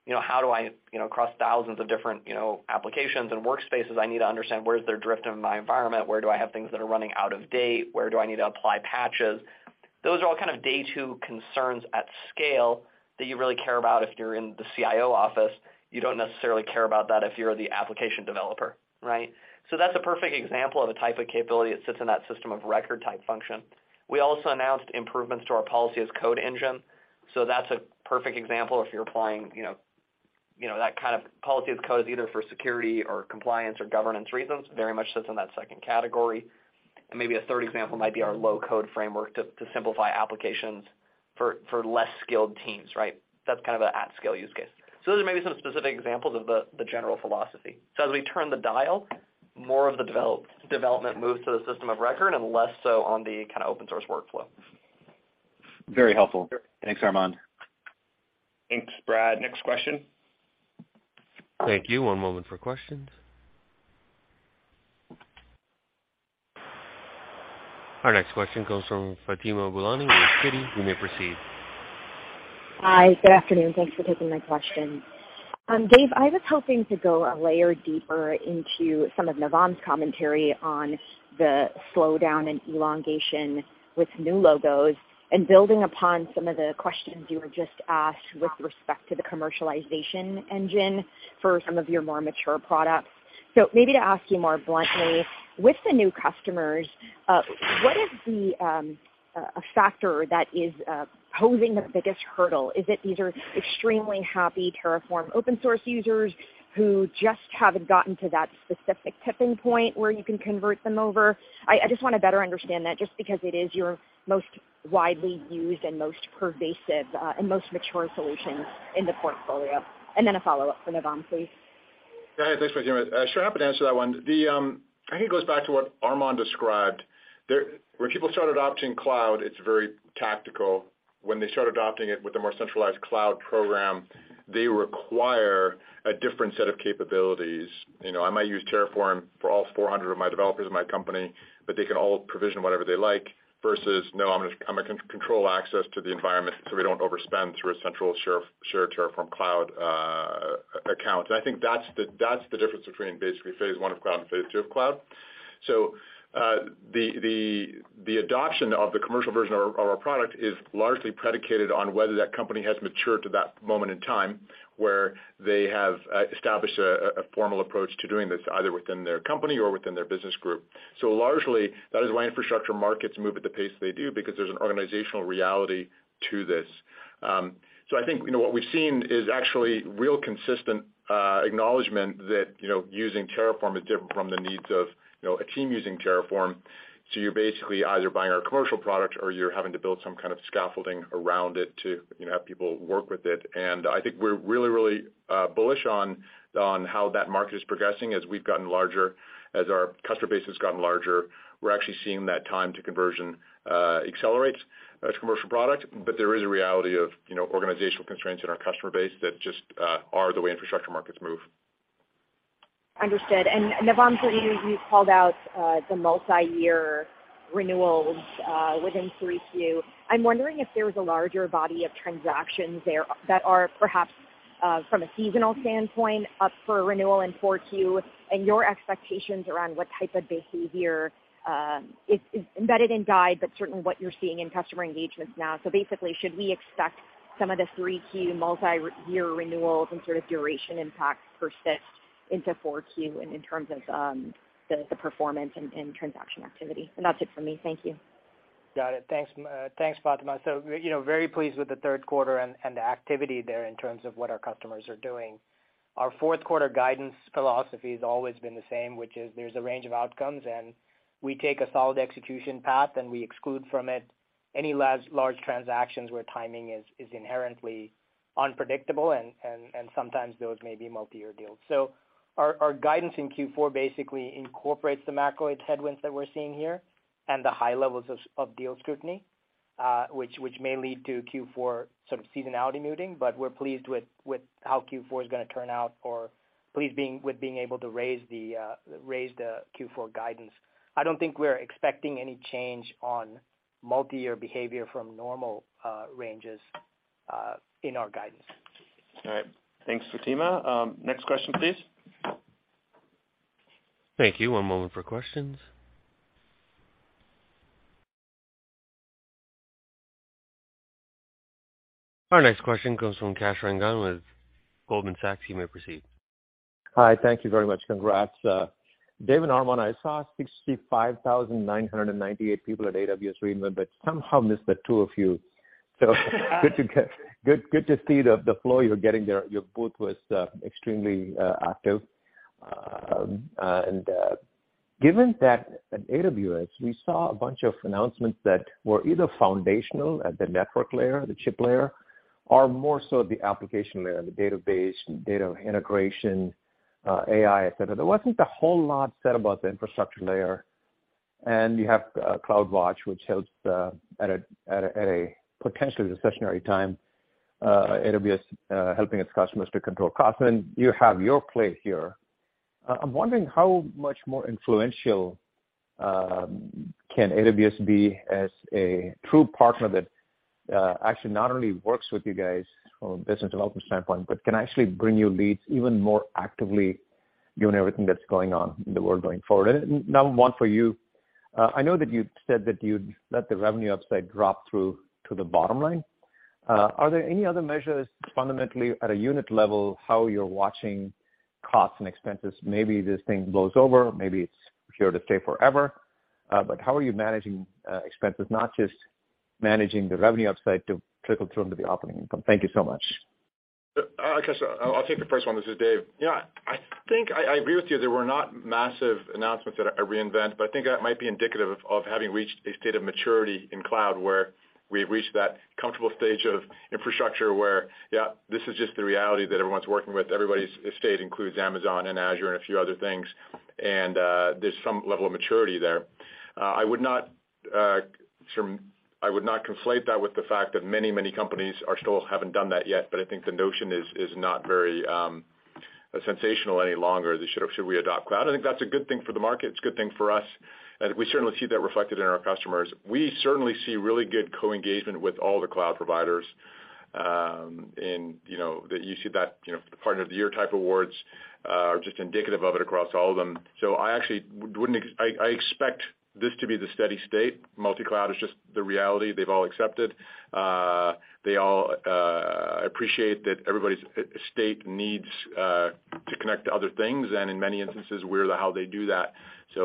[SPEAKER 7] you know, how do I, you know, across thousands of different, you know, applications and workspaces, I need to understand where is there drift in my environment? Where do I have things that are running out of date? Where do I need to apply patches? Those are all kind of day two concerns at scale that you really care about if you're in the CIO office. You don't necessarily care about that if you're the application developer, right? That's a perfect example of a type of capability that sits in that system of record type function. We also announced improvements to our policy as code engine, that's a perfect example if you're applying, you know, that kind of policy as code is either for security or compliance or governance reasons, very much sits in that second category. Maybe a third example might be our low code framework to simplify applications for less skilled teams, right? That's kind of an at scale use case. Those are maybe some specific examples of the general philosophy. As we turn the dial, more of the development moves to the system of record and less so on the kind of open source workflow.
[SPEAKER 15] Very helpful.
[SPEAKER 7] Sure.
[SPEAKER 15] Thanks, Armon.
[SPEAKER 3] Thanks, Brad. Next question.
[SPEAKER 1] Thank you. One moment for questions. Our next question comes from Fatima Boolani with Citi. You may proceed.
[SPEAKER 16] Hi. Good afternoon. Thanks for taking my question. Dave, I was hoping to go a layer deeper into some of Navam's commentary on the slowdown in elongation with new logos and building upon some of the questions you were just asked with respect to the commercialization engine for some of your more mature products. So maybe to ask you more bluntly, with the new customers, what is the a factor that is posing the biggest hurdle? Is it these are extremely happy Terraform open source users who just haven't gotten to that specific tipping point where you can convert them over? I just wanna better understand that just because it is your most widely used and most pervasive and most mature solution in the portfolio. And then a follow-up for Navam, please.
[SPEAKER 3] Yeah. Thanks, Fatima. I sure am happy to answer that one. I think it goes back to what Armon described. When people start adopting cloud, it's very tactical. When they start adopting it with a more centralized cloud program, they require a different set of capabilities. You know, I might use Terraform for all 400 of my developers in my company, but they can all provision whatever they like versus no, I'm gonna control access to the environment, so we don't overspend through a central share, shared Terraform Cloud account. I think that's the, that's the difference between basically phase one of cloud and phase two of cloud. The, the adoption of the commercial version of our, of our product is largely predicated on whether that company has matured to that moment in time, where they have established a formal approach to doing this, either within their company or within their business group. Largely, that is why infrastructure markets move at the pace they do, because there's an organizational reality to this. I think, you know, what we've seen is actually real consistent acknowledgment that, you know, using Terraform is different from the needs of, you know, a team using Terraform. You're basically either buying our commercial product or you're having to build some kind of scaffolding around it to, you know, have people work with it. I think we're really, really bullish on how that market is progressing. As we've gotten larger, as our customer base has gotten larger, we're actually seeing that time to conversion, accelerate as commercial product. There is a reality of, you know, organizational constraints in our customer base that just, are the way infrastructure markets move.
[SPEAKER 16] Understood. Navam, for you called out the multi-year renewals within 3Q. I'm wondering if there was a larger body of transactions there that are perhaps from a seasonal standpoint, up for renewal in 4Q, and your expectations around what type of behavior is embedded in guide, but certainly what you're seeing in customer engagements now. Basically, should we expect some of the 3Q multi-year renewals and sort of duration impact persist into 4Q in terms of the performance and transaction activity? That's it for me. Thank you.
[SPEAKER 4] Got it. Thanks, thanks, Fatima. You know, very pleased with the third quarter and the activity there in terms of what our customers are doing. Our fourth quarter guidance philosophy has always been the same, which is there's a range of outcomes, and we take a solid execution path, and we exclude from it any large transactions where timing is inherently unpredictable and sometimes those may be multi-year deals. Our guidance in Q4 basically incorporates the macro headwinds that we're seeing here and the high levels of deal scrutiny, which may lead to Q4 sort of seasonality mooting. We're pleased with how Q4 is gonna turn out or pleased with being able to raise the, raise the Q4 guidance. I don't think we're expecting any change on multi-year behavior from normal, ranges, in our guidance.
[SPEAKER 3] Correct. Thanks, Fatima. Next question, please.
[SPEAKER 1] Thank you. One moment for questions. Our next question comes from Kash Rangan with Goldman Sachs. You may proceed.
[SPEAKER 17] Hi. Thank you very much. Congrats. Dave and Armon, I saw 65,998 people at AWS re:Invent, but somehow missed the two of you. Good to see the flow you're getting there. Your booth was extremely active. Given that at AWS, we saw a bunch of announcements that were either foundational at the network layer, the chip layer, or more so at the application layer, the database, data integration, AI, et cetera. There wasn't a whole lot said about the infrastructure layer, you have CloudWatch, which helps at a potentially recessionary time, AWS helping its customers to control costs. You have your play here. I'm wondering how much more influential can AWS be as a true partner that actually not only works with you guys from a business development standpoint, but can actually bring you leads even more actively given everything that's going on in the world going forward? Nav, one for you. I know that you said that you'd let the revenue upside drop through to the bottom line. Are there any other measures fundamentally at a unit level, how you're watching costs and expenses? Maybe this thing blows over, maybe it's here to stay forever. How are you managing expenses, not just managing the revenue upside to trickle through into the operating income? Thank you so much.
[SPEAKER 3] Kash, I'll take the first one. This is Dave. Yeah. I think I agree with you. There were not massive announcements at re:Invent, I think that might be indicative of having reached a state of maturity in cloud, where we've reached that comfortable stage of infrastructure where, yeah, this is just the reality that everyone's working with. Everybody's estate includes Amazon and Azure and a few other things, there's some level of maturity there. I would not conflate that with the fact that many companies are still haven't done that yet, I think the notion is not very sensational any longer, the should we adopt cloud? I think that's a good thing for the market. It's a good thing for us, we certainly see that reflected in our customers. We certainly see really good co-engagement with all the cloud providers. You know, that you see that, you know, partner of the year type awards are just indicative of it across all of them. I actually expect this to be the steady state. Multi-cloud is just the reality they've all accepted. They all appreciate that everybody's estate needs to connect to other things, and in many instances, we're the how they do that.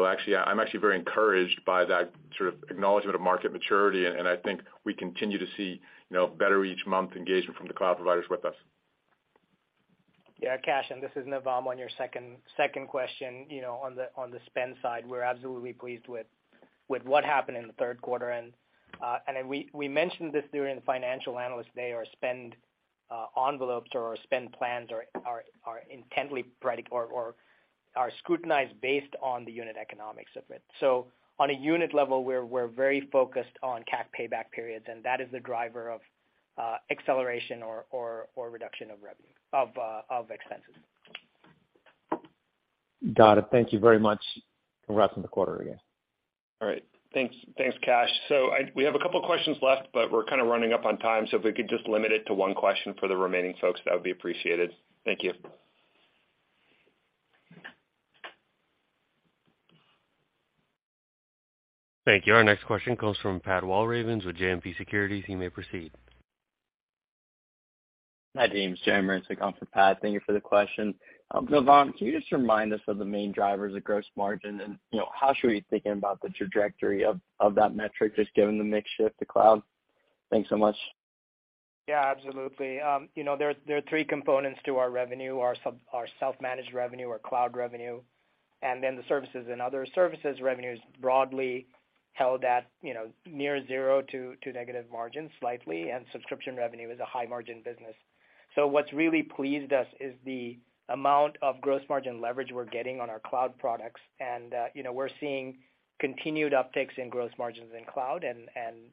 [SPEAKER 3] Actually, I'm actually very encouraged by that sort of acknowledgement of market maturity, and I think we continue to see, you know, better each month engagement from the cloud providers with us.
[SPEAKER 4] Yeah, Kash, this is Navam on your second question. You know, on the spend side, we're absolutely pleased with what happened in the third quarter. Then we mentioned this during financial analyst day, our spend envelopes or our spend plans are intently scrutinized based on the unit economics of it. On a unit level, we're very focused on CAC payback periods, and that is the driver of acceleration or reduction of revenue, of expenses.
[SPEAKER 17] Got it. Thank you very much. Congrats on the quarter again.
[SPEAKER 3] All right. Thanks, Kash. We have a couple of questions left, but we're kind of running up on time, so if we could just limit it to 1 question for the remaining folks, that would be appreciated. Thank you.
[SPEAKER 1] Thank you. Our next question comes from Patrick Walravens with JMP Securities. You may proceed.
[SPEAKER 18] Hi, team, it's Jeremy on for Pat. Thank you for the question. Navam, can you just remind us of the main drivers of gross margin? You know, how should we be thinking about the trajectory of that metric, just given the mix shift to cloud? Thanks so much.
[SPEAKER 4] Yeah, absolutely. You know, there are three components to our revenue, our self-managed revenue, our cloud revenue, and then the services and other. Services revenues broadly held at, you know, near zero to negative margins slightly, subscription revenue is a high margin business. What's really pleased us is the amount of gross margin leverage we're getting on our cloud products. You know, we're seeing continued upticks in gross margins in cloud,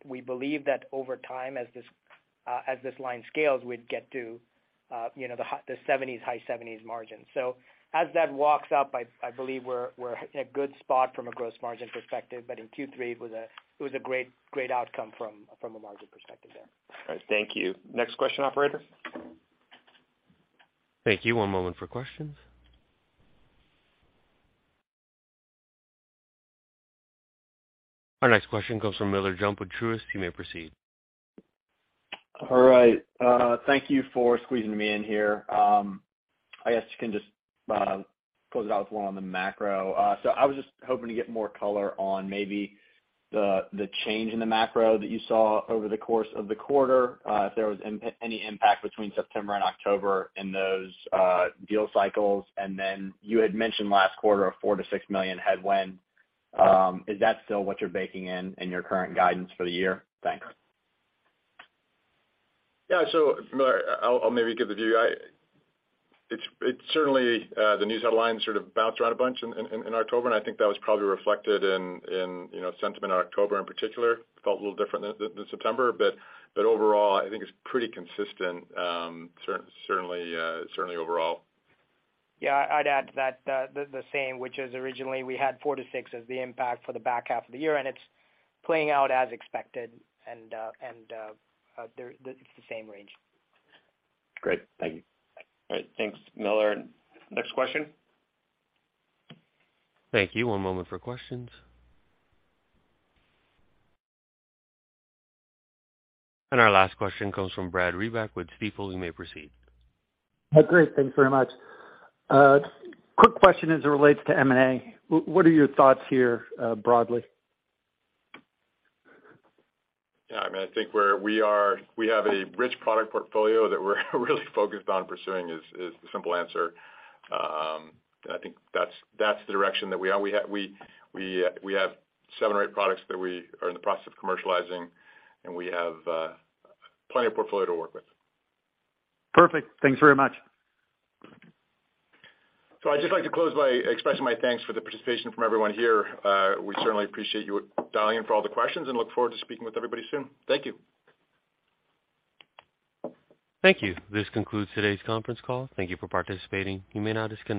[SPEAKER 4] we believe that over time, as this line scales, we'd get to, you know, the 70s, high 70s margin. As that walks up, I believe we're at good spot from a gross margin perspective, but in Q3 it was a great outcome from a margin perspective there.
[SPEAKER 18] All right. Thank you.
[SPEAKER 3] Next question, operator.
[SPEAKER 1] Thank you. One moment for questions. Our next question comes from Miller Jump with Truist. You may proceed.
[SPEAKER 19] All right. Thank you for squeezing me in here. I guess you can just close it out with one on the macro. I was just hoping to get more color on maybe the change in the macro that you saw over the course of the quarter, if there was any impact between September and October in those deal cycles. You had mentioned last quarter a $4 million-$6 million headwind. Is that still what you're baking in in your current guidance for the year? Thanks.
[SPEAKER 3] Miller, I'll maybe give the view. It's certainly, the news headlines sort of bounced around a bunch in October, and I think that was probably reflected in, you know, sentiment in October in particular. Felt a little different than September, overall, I think it's pretty consistent, certainly overall.
[SPEAKER 4] Yeah. I'd add to that, the same, which is originally we had four-six as the impact for the back half of the year. It's playing out as expected and it's the same range.
[SPEAKER 19] Great. Thank you.
[SPEAKER 3] All right. Thanks, Miller. Next question.
[SPEAKER 1] Thank you. One moment for questions. Our last question comes from Brad Reback with Stifel. You may proceed.
[SPEAKER 20] Great. Thanks very much. Quick question as it relates to M&A. What are your thoughts here, broadly?
[SPEAKER 3] Yeah. I mean, I think we're, we are, we have a rich product portfolio that we're really focused on pursuing is the simple answer. I think that's the direction that we have seven or eight products that we are in the process of commercializing, and we have plenty of portfolio to work with.
[SPEAKER 20] Perfect. Thanks very much.
[SPEAKER 3] I'd just like to close by expressing my thanks for the participation from everyone here. We certainly appreciate you dialing in for all the questions and look forward to speaking with everybody soon. Thank you.
[SPEAKER 1] Thank you. This concludes today's conference call. Thank you for participating. You may now disconnect.